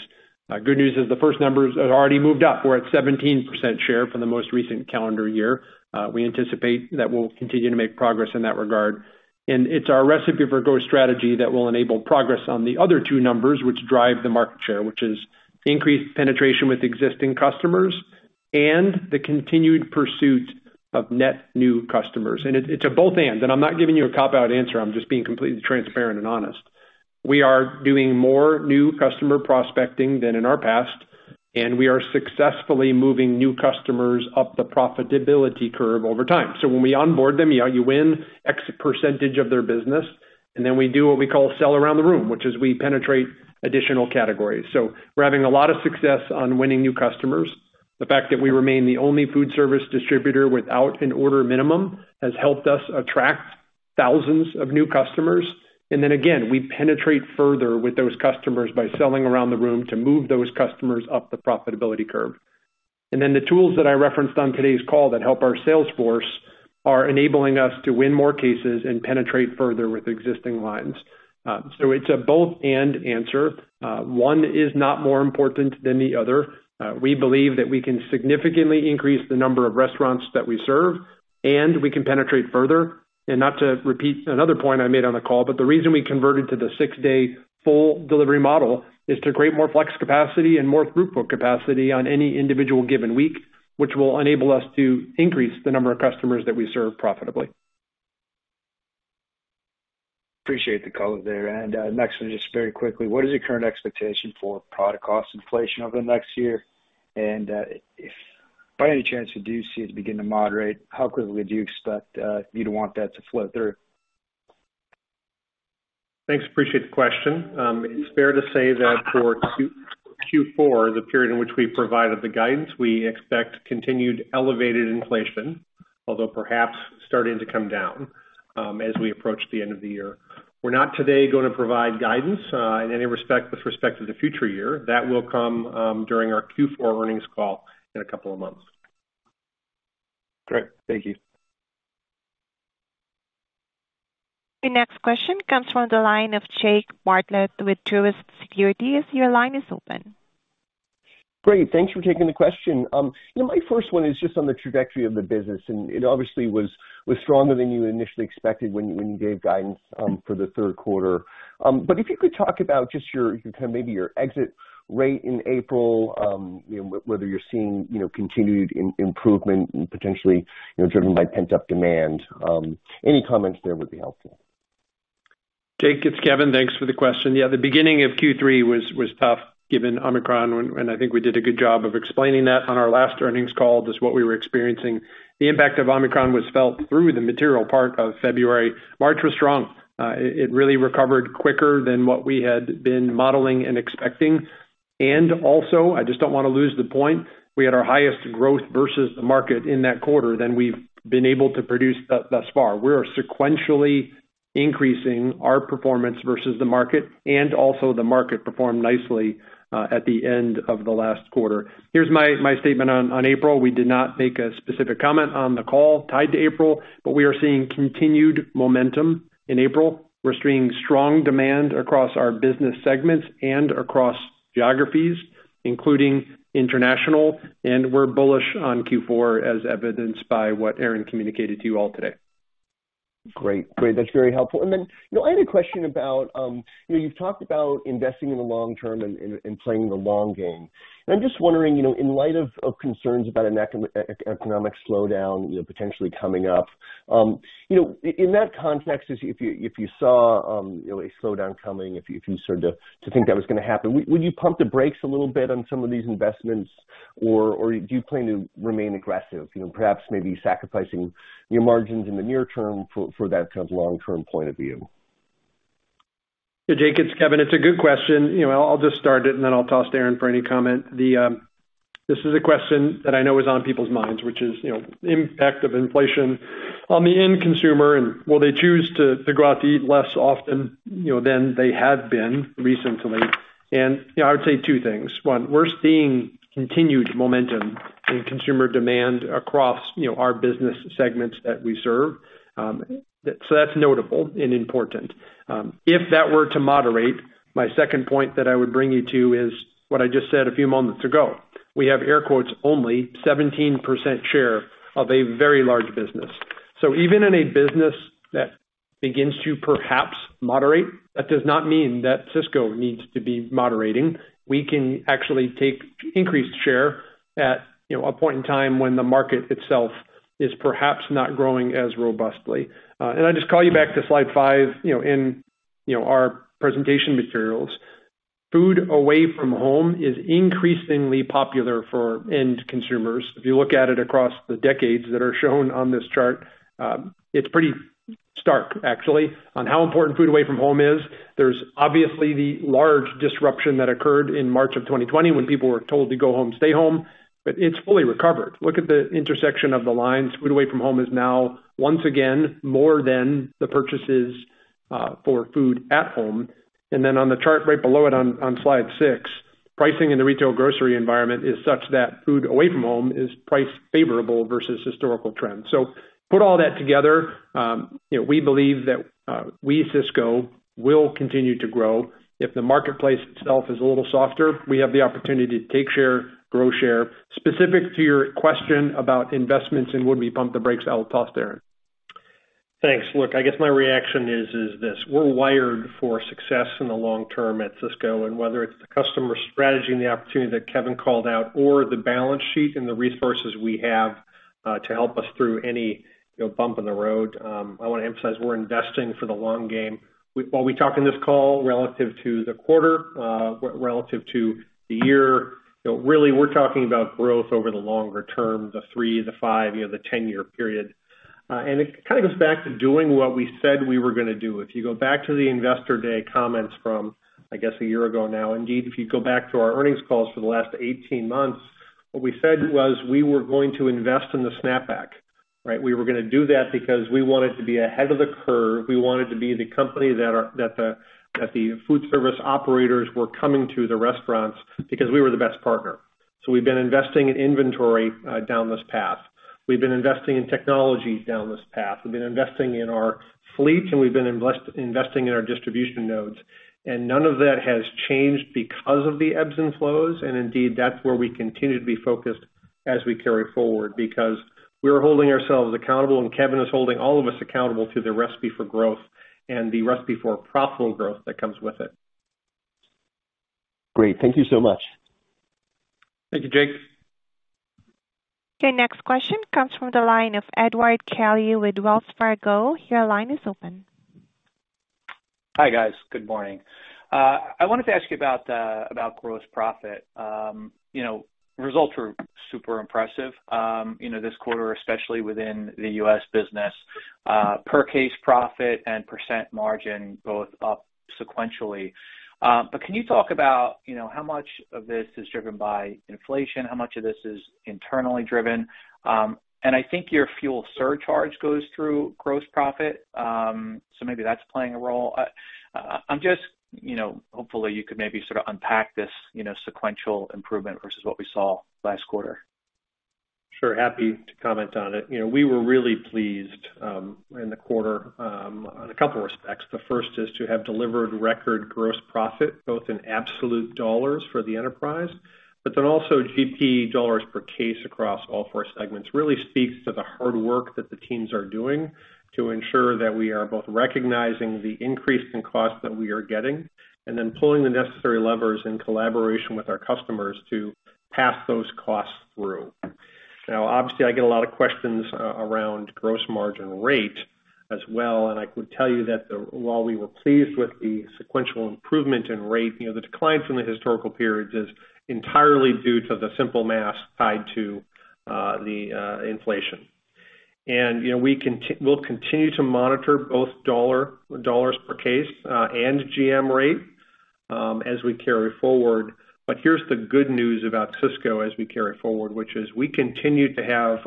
Good news is the first numbers have already moved up. We're at 17% share from the most recent calendar year. We anticipate that we'll continue to make progress in that regard. It's our Recipe for Growth strategy that will enable progress on the other two numbers, which drive the market share, which is increased penetration with existing customers and the continued pursuit of net new customers. It's a both/and. I'm not giving you a cop-out answer, I'm just being completely transparent and honest. We are doing more new customer prospecting than in our past, and we are successfully moving new customers up the profitability curve over time. When we onboard them, yeah, you win X percentage of their business, and then we do what we call sell around the room, which is we penetrate additional categories. We're having a lot of success on winning new customers. The fact that we remain the only foodservice distributor without an order minimum has helped us attract thousands of new customers. Then again, we penetrate further with those customers by selling around the room to move those customers up the profitability curve. Then the tools that I referenced on today's call that help our sales force are enabling us to win more cases and penetrate further with existing lines. It's a both/and answer. One is not more important than the other. We believe that we can significantly increase the number of restaurants that we serve, and we can penetrate further. Not to repeat another point I made on the call, but the reason we converted to the six-day full delivery model is to create more flex capacity and more throughput capacity on any individual given week, which will enable us to increase the number of customers that we serve profitably. Appreciate the color there. Next one, just very quickly, what is your current expectation for product cost inflation over the next year? If by any chance you do see it begin to moderate, how quickly do you expect you'd want that to flow through? Thanks. Appreciate the question. It's fair to say that for Q4, the period in which we provided the guidance, we expect continued elevated inflation, although perhaps starting to come down, as we approach the end of the year. We're not today gonna provide guidance in any respect with respect to the future year. That will come during our Q4 earnings call in a couple of months. Great. Thank you. The next question comes from the line of Jake Bartlett with Truist Securities. Your line is open. Great. Thanks for taking the question. You know, my first one is just on the trajectory of the business, and it obviously was stronger than you initially expected when you gave guidance for the third quarter. If you could talk about just your, kind of maybe your exit rate in April, you know, whether you're seeing, you know, continued improvement and potentially, you know, driven by pent-up demand. Any comments there would be helpful. Jake, it's Kevin. Thanks for the question. Yeah, the beginning of Q3 was tough given Omicron, and I think we did a good job of explaining that on our last earnings call, just what we were experiencing. The impact of Omicron was felt through the material part of February. March was strong. It really recovered quicker than what we had been modeling and expecting. I just don't wanna lose the point, we had our highest growth versus the market in that quarter than we've been able to produce thus far. We are sequentially increasing our performance versus the market, and also the market performed nicely at the end of the last quarter. Here's my statement on April. We did not make a specific comment on the call tied to April, but we are seeing continued momentum in April. We're seeing strong demand across our business segments and across geographies, including international, and we're bullish on Q4 as evidenced by what Aaron communicated to you all today. Great. That's very helpful. I had a question about, you know, you've talked about investing in the long term and playing the long game. I'm just wondering, you know, in light of concerns about an economic slowdown, you know, potentially coming up, you know, in that context, if you saw, you know, a slowdown coming, if you started to think that was gonna happen, would you pump the brakes a little bit on some of these investments? Or do you plan to remain aggressive, you know, perhaps maybe sacrificing your margins in the near term for that kind of long term point of view? Yeah, Jake, it's Kevin. It's a good question. You know, I'll just start it and then I'll toss to Aaron for any comment. This is a question that I know is on people's minds, which is, you know, impact of inflation on the end consumer, and will they choose to go out to eat less often, you know, than they have been recently. You know, I would say two things. One, we're seeing continued momentum in consumer demand across, you know, our business segments that we serve. So that's notable and important. If that were to moderate, my second point that I would bring you to is what I just said a few moments ago. We have air quotes, "only 17% share of a very large business." Even in a business that begins to perhaps moderate, that does not mean that Sysco needs to be moderating. We can actually take increased share at, you know, a point in time when the market itself is perhaps not growing as robustly. I just call you back to slide 5, you know, in, you know, our presentation materials. Food away from home is increasingly popular for end consumers. If you look at it across the decades that are shown on this chart, it's pretty stark actually on how important food away from home is. There's obviously the large disruption that occurred in March of 2020 when people were told to go home, stay home. It's fully recovered. Look at the intersection of the lines. Food away from home is now once again more than the purchases for food at home. Then on the chart right below it on slide six, pricing in the retail grocery environment is such that food away from home is priced favorable versus historical trends. Put all that together, you know, we believe that we at Sysco will continue to grow. If the marketplace itself is a little softer, we have the opportunity to take share, grow share. Specific to your question about investments and would we pump the brakes, I'll toss to Aaron. Thanks. Look, I guess my reaction is this. We're wired for success in the long term at Sysco, and whether it's the customer strategy and the opportunity that Kevin called out or the balance sheet and the resources we have to help us through any, you know, bump in the road, I wanna emphasize we're investing for the long game. While we talk in this call relative to the quarter, relative to the year, you know, really we're talking about growth over the longer term, the three, the five, you know, the 10-year period. It kinda goes back to doing what we said we were gonna do. If you go back to the Investor Day comments from, I guess, a year ago now, indeed, if you go back to our earnings calls for the last 18 months, what we said was we were going to invest in the Snapback, right? We were gonna do that because we wanted to be ahead of the curve. We wanted to be the company that the food service operators were coming to the restaurants because we were the best partner. We've been investing in inventory down this path. We've been investing in technology down this path. We've been investing in our fleet, and we've been investing in our distribution nodes. None of that has changed because of the ebbs and flows. Indeed, that's where we continue to be focused as we carry forward because we are holding ourselves accountable, and Kevin is holding all of us accountable to the Recipe for Growth and the Recipe for Profitable Growth that comes with it. Great. Thank you so much. Thank you, Jake. Okay. Next question comes from the line of Edward Kelly with Wells Fargo. Your line is open. Hi, guys. Good morning. I wanted to ask you about about gross profit. You know, results were super impressive, you know, this quarter, especially within the U.S. business. Per case profit and percent margin both up sequentially. But can you talk about, you know, how much of this is driven by inflation? How much of this is internally driven? And I think your fuel surcharge goes through gross profit, so maybe that's playing a role. I'm just, you know, hopefully, you could maybe sort of unpack this, you know, sequential improvement versus what we saw last quarter. Sure. Happy to comment on it. You know, we were really pleased in the quarter on a couple of respects. The first is to have delivered record gross profit, both in absolute dollars for the enterprise, but then also GP dollars per case across all four segments. Really speaks to the hard work that the teams are doing to ensure that we are both recognizing the increase in cost that we are getting and then pulling the necessary levers in collaboration with our customers to pass those costs through. Now, obviously, I get a lot of questions around gross margin rate as well, and I could tell you that, while we were pleased with the sequential improvement in rate, you know, the decline from the historical periods is entirely due to the simple math tied to the inflation. You know, we'll continue to monitor both dollars per case and GM rate as we carry forward. Here's the good news about Sysco as we carry forward, which is we continue to have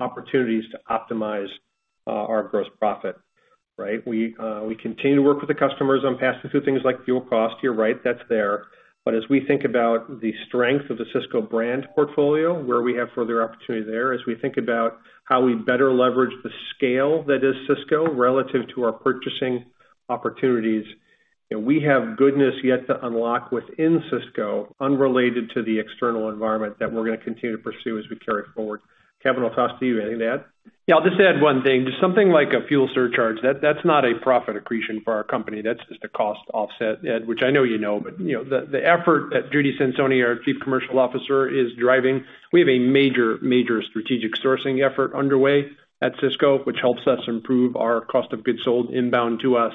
opportunities to optimize our gross profit, right? We continue to work with the customers on passing through things like fuel cost. You're right, that's there. As we think about the strength of the Sysco brand portfolio, where we have further opportunity there, as we think about how we better leverage the scale that is Sysco relative to our purchasing opportunities, you know, we have goodness yet to unlock within Sysco unrelated to the external environment that we're gonna continue to pursue as we carry forward. Kevin, I'll toss to you. Anything to add? Yeah, I'll just add one thing. Just something like a fuel surcharge, that's not a profit accretion for our company. That's just a cost offset, Ed, which I know you know. You know, the effort that Judith Sansone, our Chief Commercial Officer, is driving, we have a major strategic sourcing effort underway at Sysco, which helps us improve our cost of goods sold inbound to us.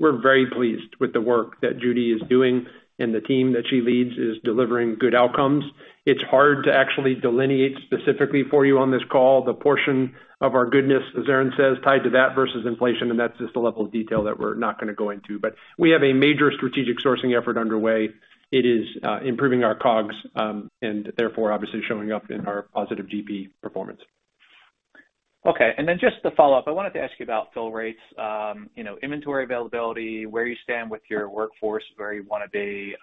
We're very pleased with the work that Judy is doing, and the team that she leads is delivering good outcomes. It's hard to actually delineate specifically for you on this call the portion of our goodness, as Aaron says, tied to that versus inflation, and that's just a level of detail that we're not gonna go into. We have a major strategic sourcing effort underway. It is improving our COGS, and therefore, obviously, showing up in our positive GP performance. Okay. Just to follow up, I wanted to ask you about fill rates, you know, inventory availability, where you stand with your workforce, where you wanna be.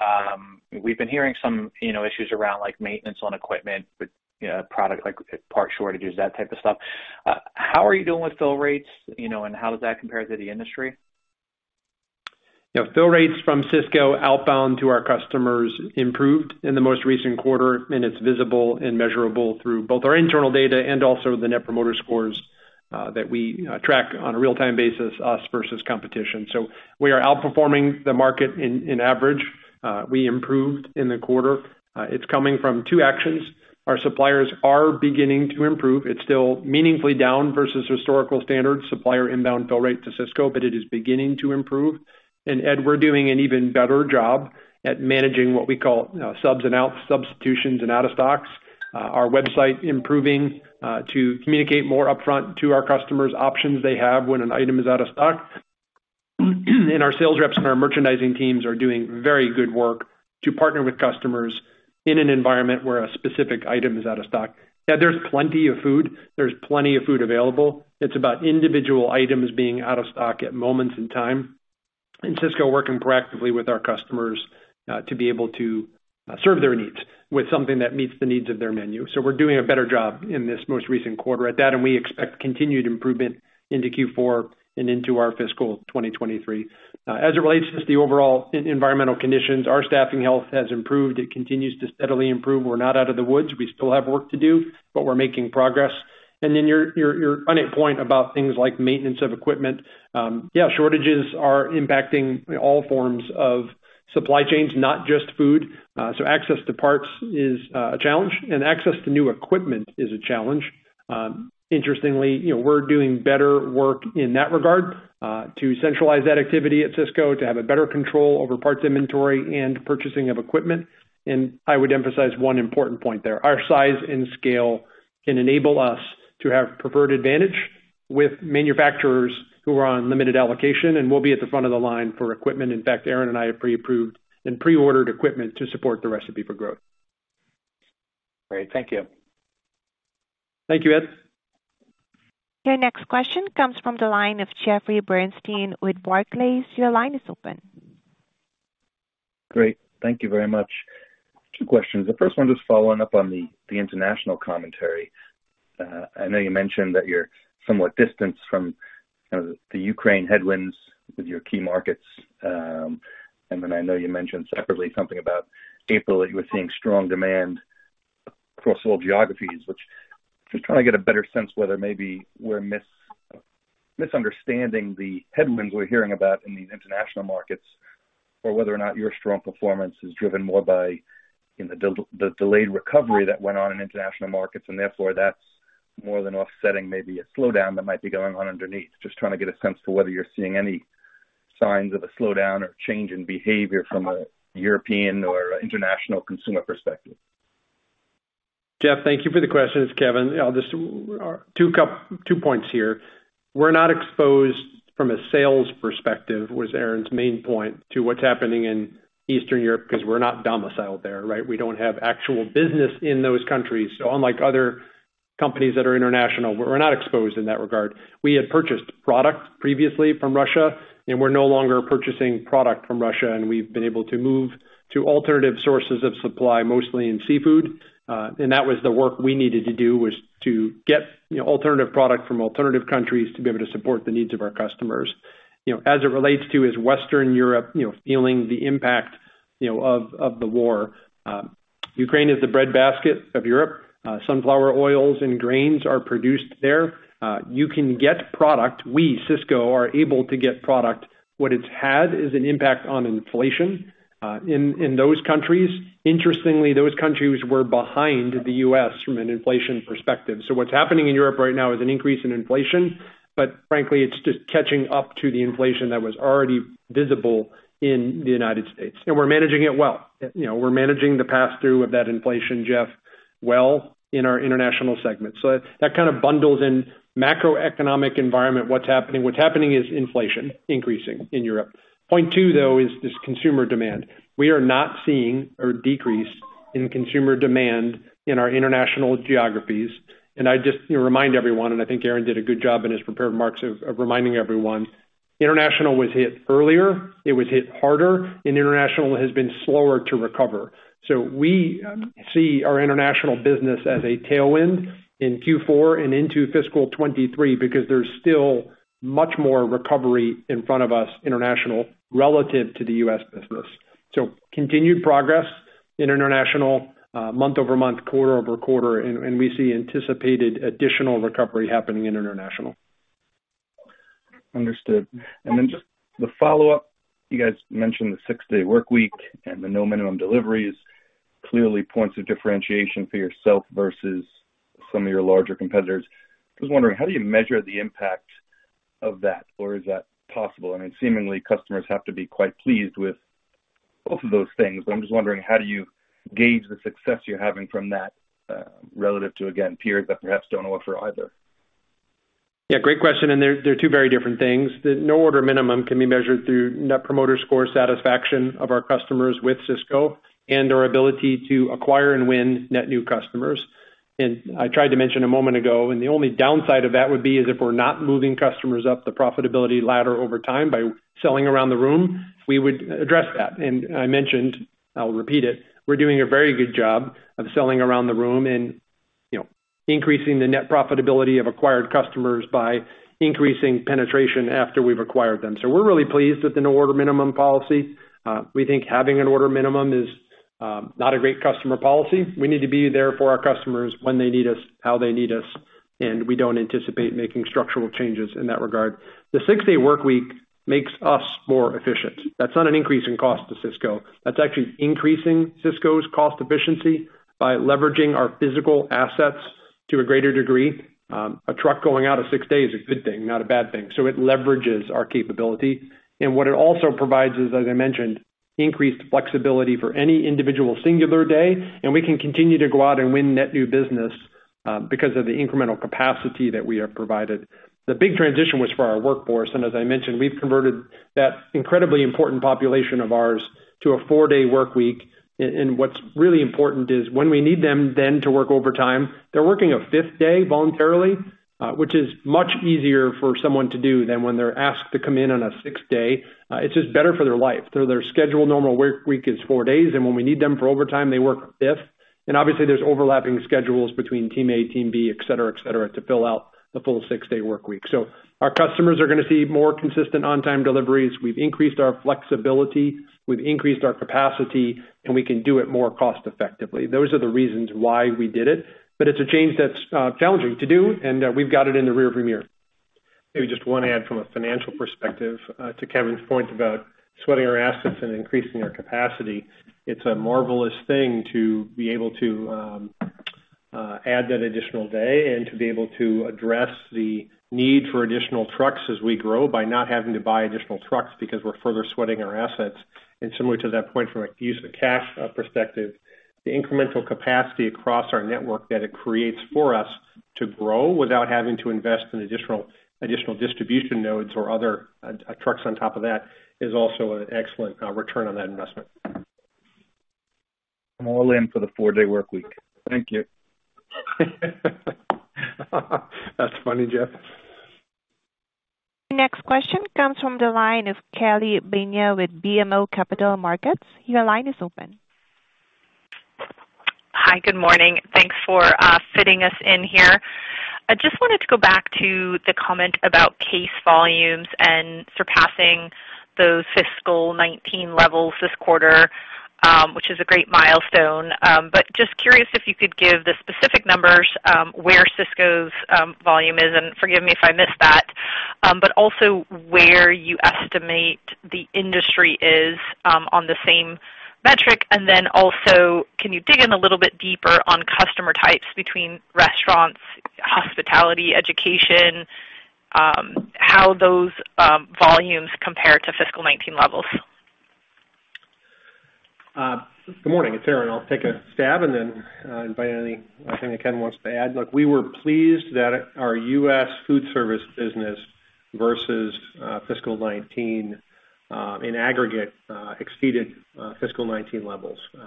We've been hearing some, you know, issues around, like, maintenance on equipment with, you know, product, like, part shortages, that type of stuff. How are you doing with fill rates, you know, and how does that compare to the industry? You know, fill rates from Sysco outbound to our customers improved in the most recent quarter, and it's visible and measurable through both our internal data and also the net promoter scores that we track on a real-time basis, us versus competition. We are outperforming the market on average. We improved in the quarter. It's coming from two actions. Our suppliers are beginning to improve. It's still meaningfully down versus historical standards, supplier inbound fill rate to Sysco, but it is beginning to improve. Ed, we're doing an even better job at managing what we call substitutions and out of stocks. Our website improving to communicate more upfront to our customers options they have when an item is out of stock. Our sales reps and our merchandising teams are doing very good work to partner with customers in an environment where a specific item is out of stock. Ed, there's plenty of food available. It's about individual items being out of stock at moments in time, and Sysco working proactively with our customers to be able to serve their needs with something that meets the needs of their menu. We're doing a better job in this most recent quarter at that, and we expect continued improvement into Q4 and into our fiscal 2023. As it relates to the overall environmental conditions, our staffing health has improved. It continues to steadily improve. We're not out of the woods. We still have work to do, but we're making progress. Then your point about things like maintenance of equipment. Shortages are impacting all forms of supply chains, not just food. So access to parts is a challenge, and access to new equipment is a challenge. Interestingly, you know, we're doing better work in that regard to centralize that activity at Sysco, to have a better control over parts inventory and purchasing of equipment. I would emphasize one important point there. Our size and scale can enable us to have preferred advantage with manufacturers who are on limited allocation, and we'll be at the front of the line for equipment. In fact, Aaron and I have pre-approved and pre-ordered equipment to support the Recipe for Growth. Great. Thank you. Thank you, Ed. Your next question comes from the line of Jeffrey Bernstein with Barclays. Your line is open. Great. Thank you very much. Two questions. The first one just following up on the international commentary. I know you mentioned that you're somewhat distanced from the Ukraine headwinds with your key markets. I know you mentioned separately something about April, that you were seeing strong demand across all geographies, which is just trying to get a better sense whether maybe we're misunderstanding the headwinds we're hearing about in the international markets or whether or not your strong performance is driven more by, you know, the delayed recovery that went on in international markets, and therefore that's more than offsetting maybe a slowdown that might be going on underneath. Just trying to get a sense as to whether you're seeing any signs of a slowdown or change in behavior from a European or international consumer perspective. Jeff, thank you for the question. It's Kevin. I'll just two points here. We're not exposed from a sales perspective, was Aaron's main point, to what's happening in Eastern Europe 'cause we're not domiciled there, right? We don't have actual business in those countries. Unlike other companies that are international, we're not exposed in that regard. We had purchased product previously from Russia, and we're no longer purchasing product from Russia, and we've been able to move to alternative sources of supply, mostly in seafood. That was the work we needed to do, to get, you know, alternative product from alternative countries to be able to support the needs of our customers. You know, as it relates to Western Europe, you know, feeling the impact, you know, of the war. Ukraine is the breadbasket of Europe. Sunflower oils and grains are produced there. You can get product. We, Sysco, are able to get product. What it's had is an impact on inflation in those countries. Interestingly, those countries were behind the U.S. from an inflation perspective. What's happening in Europe right now is an increase in inflation, but frankly, it's just catching up to the inflation that was already visible in the United States. We're managing it well. You know, we're managing the pass-through of that inflation, Jeff, well in our international segment. That kind of bundles in macroeconomic environment, what's happening. What's happening is inflation increasing in Europe. Point two, though, is this consumer demand. We are not seeing a decrease in consumer demand in our international geographies. I just remind everyone, and I think Aaron did a good job in his prepared remarks of reminding everyone, international was hit earlier, it was hit harder, and international has been slower to recover. We see our international business as a tailwind in Q4 and into fiscal 2023 because there's still much more recovery in front of us international relative to the U.S. business. Continued progress in international, month-over-month, quarter-over-quarter, and we see anticipated additional recovery happening in international. Understood. Just the follow-up. You guys mentioned the six-day work week and the no minimum deliveries, clearly points of differentiation for yourself versus some of your larger competitors. I was wondering, how do you measure the impact of that? Or is that possible? I mean, seemingly, customers have to be quite pleased with both of those things, but I'm just wondering, how do you gauge the success you're having from that, relative to, again, peers that perhaps don't offer either? Yeah, great question. They're two very different things. The no order minimum can be measured through Net Promoter Score satisfaction of our customers with Sysco and our ability to acquire and win net new customers. I tried to mention a moment ago, and the only downside of that would be is if we're not moving customers up the profitability ladder over time by selling around the room, we would address that. I mentioned, I'll repeat it, we're doing a very good job of selling around the room and, you know, increasing the net profitability of acquired customers by increasing penetration after we've acquired them. We're really pleased with the no order minimum policy. We think having an order minimum is not a great customer policy. We need to be there for our customers when they need us, how they need us, and we don't anticipate making structural changes in that regard. The six-day work week makes us more efficient. That's not an increase in cost to Sysco. That's actually increasing Sysco's cost efficiency by leveraging our physical assets to a greater degree. A truck going out of six days is a good thing, not a bad thing. It leverages our capability. What it also provides is, as I mentioned, increased flexibility for any individual singular day, and we can continue to go out and win net new business, because of the incremental capacity that we have provided. The big transition was for our workforce, and as I mentioned, we've converted that incredibly important population of ours to a four-day work week. What's really important is when we need them then to work overtime, they're working a fifth day voluntarily, which is much easier for someone to do than when they're asked to come in on a sixth day. It's just better for their life. Their scheduled normal work week is four days, and when we need them for overtime, they work a fifth. Obviously there's overlapping schedules between team A, team B, et cetera, et cetera, to fill out the full six-day work week. Our customers are gonna see more consistent on-time deliveries. We've increased our flexibility, we've increased our capacity, and we can do it more cost-effectively. Those are the reasons why we did it. It's a change that's challenging to do, and we've got it in the rearview mirror. Maybe just one add from a financial perspective to Kevin's point about sweating our assets and increasing our capacity. It's a marvelous thing to be able to add that additional day and to be able to address the need for additional trucks as we grow by not having to buy additional trucks because we're further sweating our assets. Similar to that point from a use of cash perspective, the incremental capacity across our network that it creates for us to grow without having to invest in additional distribution nodes or other trucks on top of that is also an excellent return on that investment. I'm all in for the four-day workweek. Thank you. That's funny, Jeff. Next question comes from the line of Kelly Bania with BMO Capital Markets. Your line is open. Hi, good morning. Thanks for fitting us in here. I just wanted to go back to the comment about case volumes and surpassing those fiscal 2019 levels this quarter, which is a great milestone. Just curious if you could give the specific numbers where Sysco's volume is, and forgive me if I missed that, but also where you estimate the industry is on the same metric. Also, can you dig in a little bit deeper on customer types between restaurants, hospitality, education, how those volumes compare to fiscal 2019 levels? Good morning. It's Aaron. I'll take a stab and then invite anything that Kevin wants to add. Look, we were pleased that our U.S. foodservice business versus fiscal 2019 in aggregate exceeded fiscal 2019 levels. You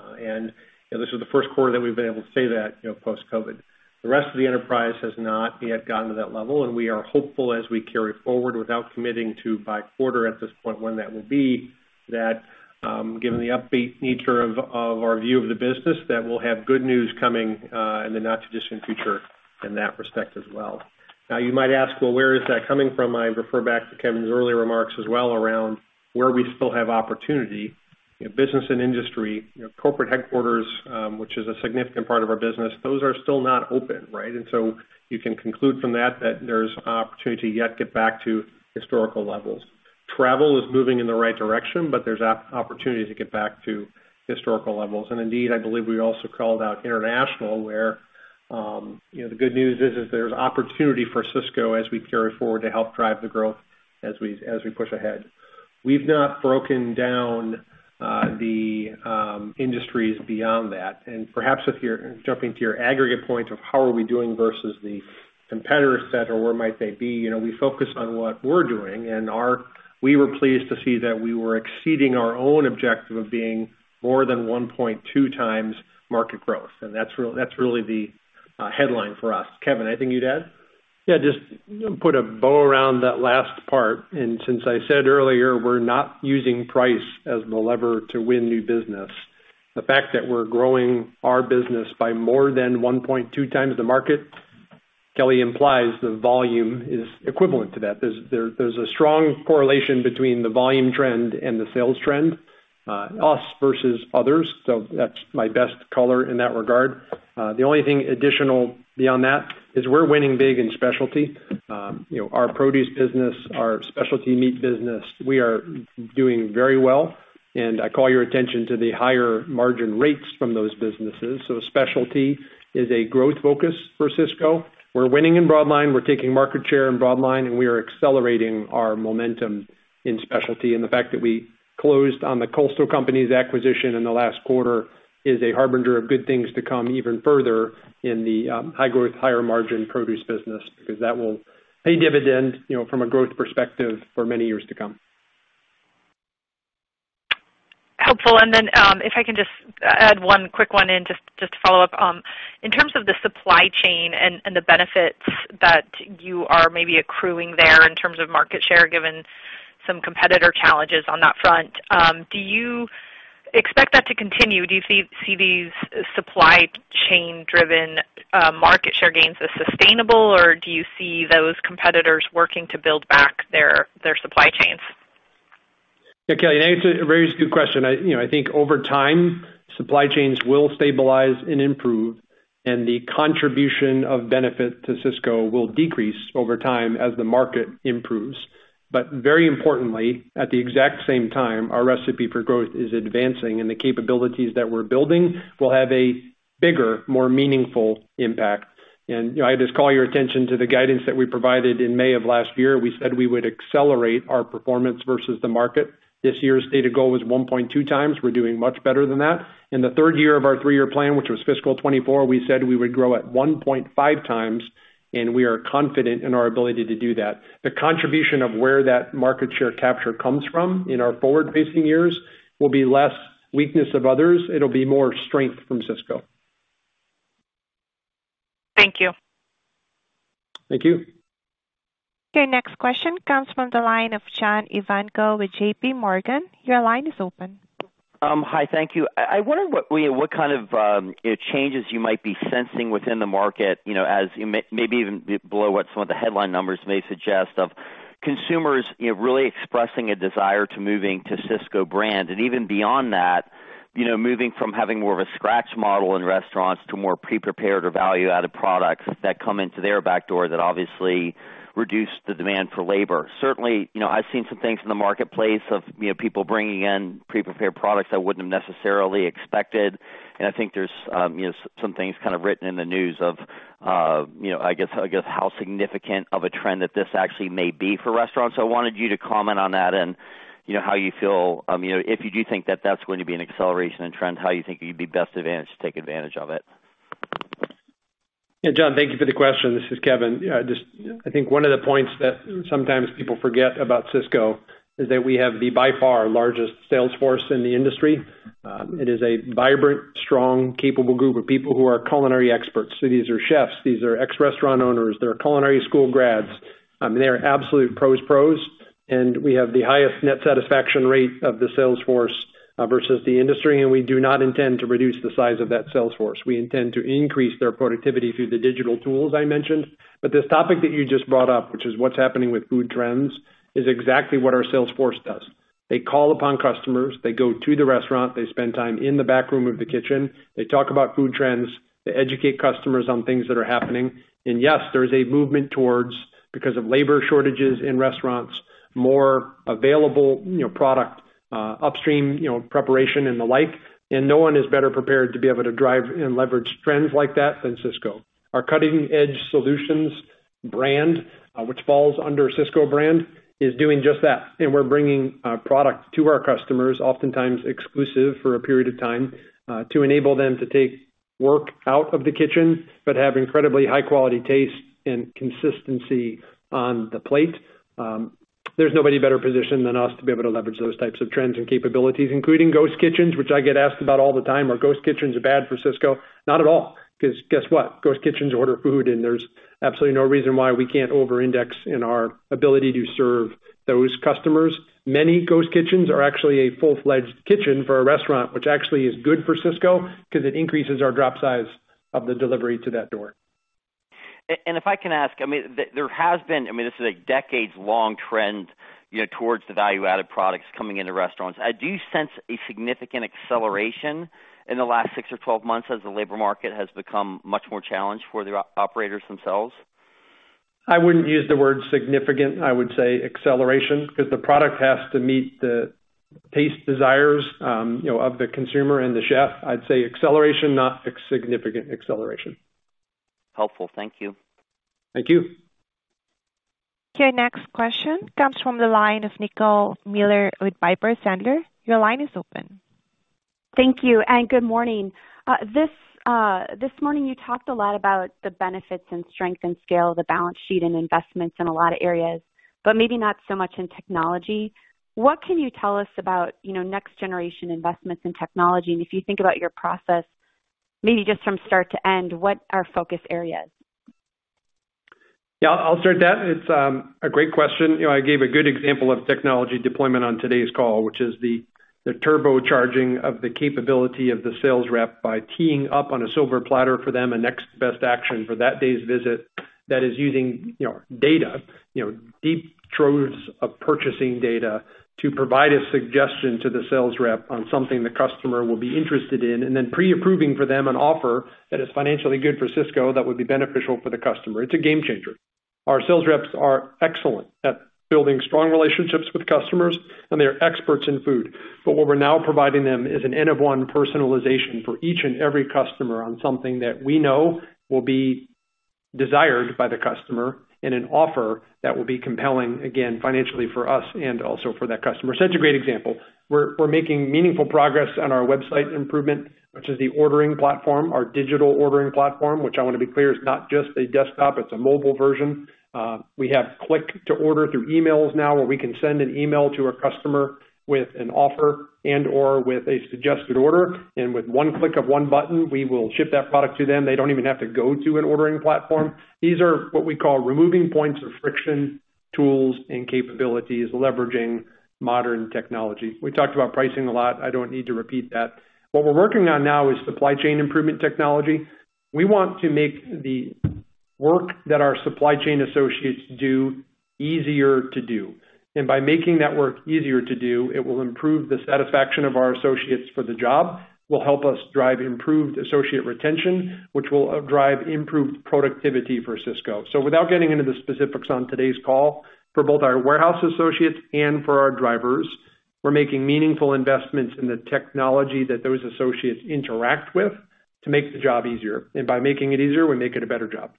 know, this was the first quarter that we've been able to say that, you know, post-COVID. The rest of the enterprise has not yet gotten to that level, and we are hopeful as we carry forward without committing to by quarter at this point when that will be, that given the upbeat nature of our view of the business, that we'll have good news coming in the not too distant future. In that respect as well. Now you might ask, "Well, where is that coming from?" I refer back to Kevin's earlier remarks as well around where we still have opportunity in business and industry, you know, corporate headquarters, which is a significant part of our business. Those are still not open, right? You can conclude from that there's an opportunity to yet get back to historical levels. Travel is moving in the right direction, but there's opportunity to get back to historical levels. Indeed, I believe we also called out international, where, you know, the good news is there's opportunity for Sysco as we carry forward to help drive the growth as we push ahead. We've not broken down the industries beyond that. Perhaps if you're jumping to your aggregate point of how are we doing versus the competitors that or where might they be, we focus on what we're doing and we were pleased to see that we were exceeding our own objective of being more than 1.2 times market growth. That's really the headline for us. Kevin, anything you'd add? Yeah, just put a bow around that last part. Since I said earlier, we're not using price as the lever to win new business. The fact that we're growing our business by more than 1.2 times the market, Kelly implies the volume is equivalent to that. There's a strong correlation between the volume trend and the sales trend, us versus others. That's my best color in that regard. The only thing additional beyond that is we're winning big in specialty. You know, our produce business, our specialty meat business, we are doing very well. I call your attention to the higher margin rates from those businesses. Specialty is a growth focus for Sysco. We're winning in broadline. We're taking market share in broadline, and we are accelerating our momentum in specialty. The fact that we closed on the Coastal Companies acquisition in the last quarter is a harbinger of good things to come even further in the high growth, higher margin produce business, because that will pay dividends, you know, from a growth perspective for many years to come. Helpful. Then, if I can just add one quick one in just, to follow-up. In terms of the supply chain and the benefits that you are maybe accruing there in terms of market share, given some competitor challenges on that front, do you expect that to continue? Do you see these supply chain driven market share gains as sustainable, or do you see those competitors working to build back their supply chains? Yeah, Kelly, I think it's a very good question. I, you know, I think over time, supply chains will stabilize and improve, and the contribution of benefit to Sysco will decrease over time as the market improves. But very importantly, at the exact same time, our Recipe for Growth is advancing, and the capabilities that we're building will have a bigger, more meaningful impact. You know, I just call your attention to the guidance that we provided in May of last year. We said we would accelerate our performance versus the market. This year's stated goal was 1.2 times. We're doing much better than that. In the third year of our three-year plan, which was fiscal 2024, we said we would grow at 1.5 times, and we are confident in our ability to do that. The contribution of where that market share capture comes from in our forward-facing years will be less weakness of others. It'll be more strength from Sysco. Thank you. Thank you. Okay, next question comes from the line of John Ivankoe with JP Morgan. Your line is open. Hi, thank you. I wonder what kind of changes you might be sensing within the market, you know, as you maybe even below what some of the headline numbers may suggest of consumers, you know, really expressing a desire to moving to Sysco Brand. Even beyond that, you know, moving from having more of a scratch model in restaurants to more pre-prepared or value-added products that come into their back door that obviously reduce the demand for labor. Certainly, you know, I've seen some things in the marketplace of, you know, people bringing in pre-prepared products I wouldn't have necessarily expected. I think there's, you know, some things kind of written in the news of, you know, I guess how significant of a trend that this actually may be for restaurants. I wanted you to comment on that and, you know, how you feel, you know, if you do think that that's going to be an acceleration in trend, how you think you'd be best advantaged to take advantage of it. Yeah, John, thank you for the question. This is Kevin. Yeah, just I think one of the points that sometimes people forget about Sysco is that we have the by far largest sales force in the industry. It is a vibrant, strong, capable group of people who are culinary experts. So these are chefs, these are ex-restaurant owners, they're culinary school grads. They are absolute pros. We have the highest net satisfaction rate of the sales force versus the industry. We do not intend to reduce the size of that sales force. We intend to increase their productivity through the digital tools I mentioned. This topic that you just brought up, which is what's happening with food trends, is exactly what our sales force does. They call upon customers. They go to the restaurant. They spend time in the back room of the kitchen. They talk about food trends. They educate customers on things that are happening. Yes, there is a movement towards, because of labor shortages in restaurants, more available, you know, product, upstream, you know, preparation and the like, and no one is better prepared to be able to drive and leverage trends like that than Sysco. Our Cutting Edge Solutions brand, which falls under Sysco Brand, is doing just that. We're bringing, product to our customers, oftentimes exclusive for a period of time, to enable them to take work out of the kitchen, but have incredibly high quality taste and consistency on the plate. There's nobody better positioned than us to be able to leverage those types of trends and capabilities, including ghost kitchens, which I get asked about all the time. Are ghost kitchens bad for Sysco? Not at all, 'cause guess what? Ghost kitchens order food, and there's absolutely no reason why we can't over-index in our ability to serve those customers. Many ghost kitchens are actually a full-fledged kitchen for a restaurant, which actually is good for Sysco 'cause it increases our drop size of the delivery to that door. If I can ask, I mean, there has been, I mean, this is a decades-long trend, you know, towards the value-added products coming into restaurants. Do you sense a significant acceleration in the last six or 12 months as the labor market has become much more challenged for the operators themselves? I wouldn't use the word significant. I would say acceleration, because the product has to meet the taste desires, you know, of the consumer and the chef. I'd say acceleration, not a significant acceleration. Helpful. Thank you. Thank you. Okay. Next question comes from the line of Nicole Miller with Piper Sandler. Your line is open. Thank you and good morning. This morning you talked a lot about the benefits and strength and scale of the balance sheet and investments in a lot of areas, but maybe not so much in technology. What can you tell us about, you know, next generation investments in technology? And if you think about your process, maybe just from start to end, what are focus areas? Yeah, I'll start that. It's a great question. You know, I gave a good example of technology deployment on today's call, which is the turbocharging of the capability of the sales rep by teeing up on a silver platter for them a next best action for that day's visit that is using, you know, data, you know, deep troves of purchasing data to provide a suggestion to the sales rep on something the customer will be interested in, and then pre-approving for them an offer that is financially good for Sysco that would be beneficial for the customer. It's a game changer. Our sales reps are excellent at building strong relationships with customers, and they are experts in food. What we're now providing them is an N-of-1 personalization for each and every customer on something that we know will be desired by the customer and an offer that will be compelling, again, financially for us and also for that customer. Such a great example. We're making meaningful progress on our website improvement, which is the ordering platform, our digital ordering platform, which I wanna be clear, is not just a desktop, it's a mobile version. We have click-to-order through emails now, where we can send an email to a customer with an offer and/or with a suggested order, and with one click of one button, we will ship that product to them. They don't even have to go to an ordering platform. These are what we call removing points of friction tools and capabilities, leveraging modern technology. We talked about pricing a lot. I don't need to repeat that. What we're working on now is supply chain improvement technology. We want to make the work that our supply chain associates do easier to do. By making that work easier to do, it will improve the satisfaction of our associates for the job, will help us drive improved associate retention, which will drive improved productivity for Sysco. Without getting into the specifics on today's call, for both our warehouse associates and for our drivers, we're making meaningful investments in the technology that those associates interact with to make the job easier. By making it easier, we make it a better job.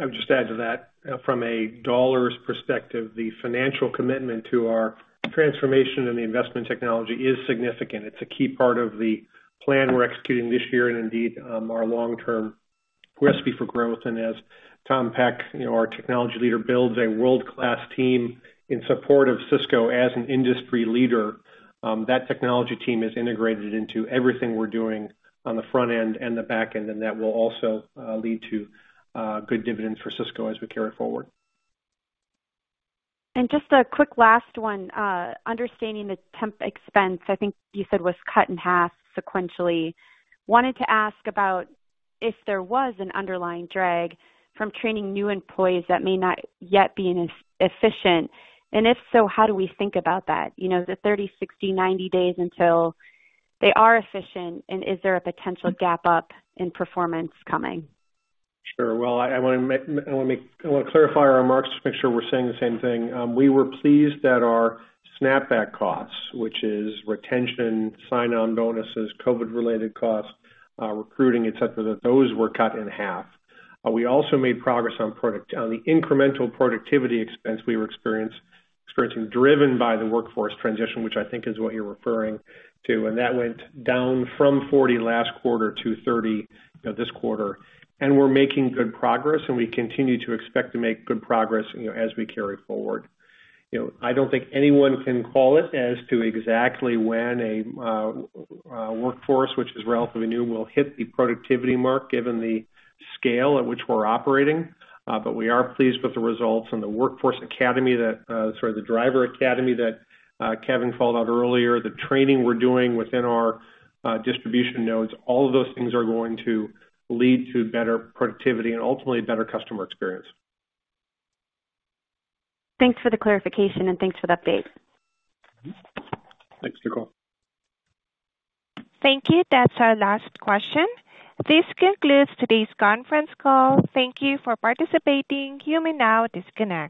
I would just add to that, from a dollars perspective, the financial commitment to our transformation and the investment in technology is significant. It's a key part of the plan we're executing this year and indeed, our long-term Recipe for Growth. As Tom Peck, you know, our technology leader, builds a world-class team in support of Sysco as an industry leader, that technology team is integrated into everything we're doing on the front end and the back end, and that will also lead to good dividends for Sysco as we carry it forward. Just a quick last one. Understanding the temp expense, I think you said was cut in half sequentially. Wanted to ask about if there was an underlying drag from training new employees that may not yet be as efficient. If so, how do we think about that? You know, the 30, 60, 90 days until they are efficient, and is there a potential gap up in performance coming? Sure. Well, I wanna clarify our remarks just to make sure we're saying the same thing. We were pleased that our Snapback costs, which is retention, sign-on bonuses, COVID related costs, recruiting, et cetera, that those were cut in half. We also made progress on the incremental productivity expense we were experiencing, driven by the workforce transition, which I think is what you're referring to. That went down from $40 last quarter to $30 this quarter. You know, we're making good progress, and we continue to expect to make good progress, you know, as we carry forward. You know, I don't think anyone can call it as to exactly when a workforce which is relatively new will hit the productivity mark given the scale at which we're operating, but we are pleased with the results and the driver academy that Kevin called out earlier, the training we're doing within our distribution nodes, all of those things are going to lead to better productivity and ultimately a better customer experience. Thanks for the clarification and thanks for the update. Mm-hmm. Thanks, Nicole. Thank you. That's our last question. This concludes today's conference call. Thank you for participating. You may now disconnect.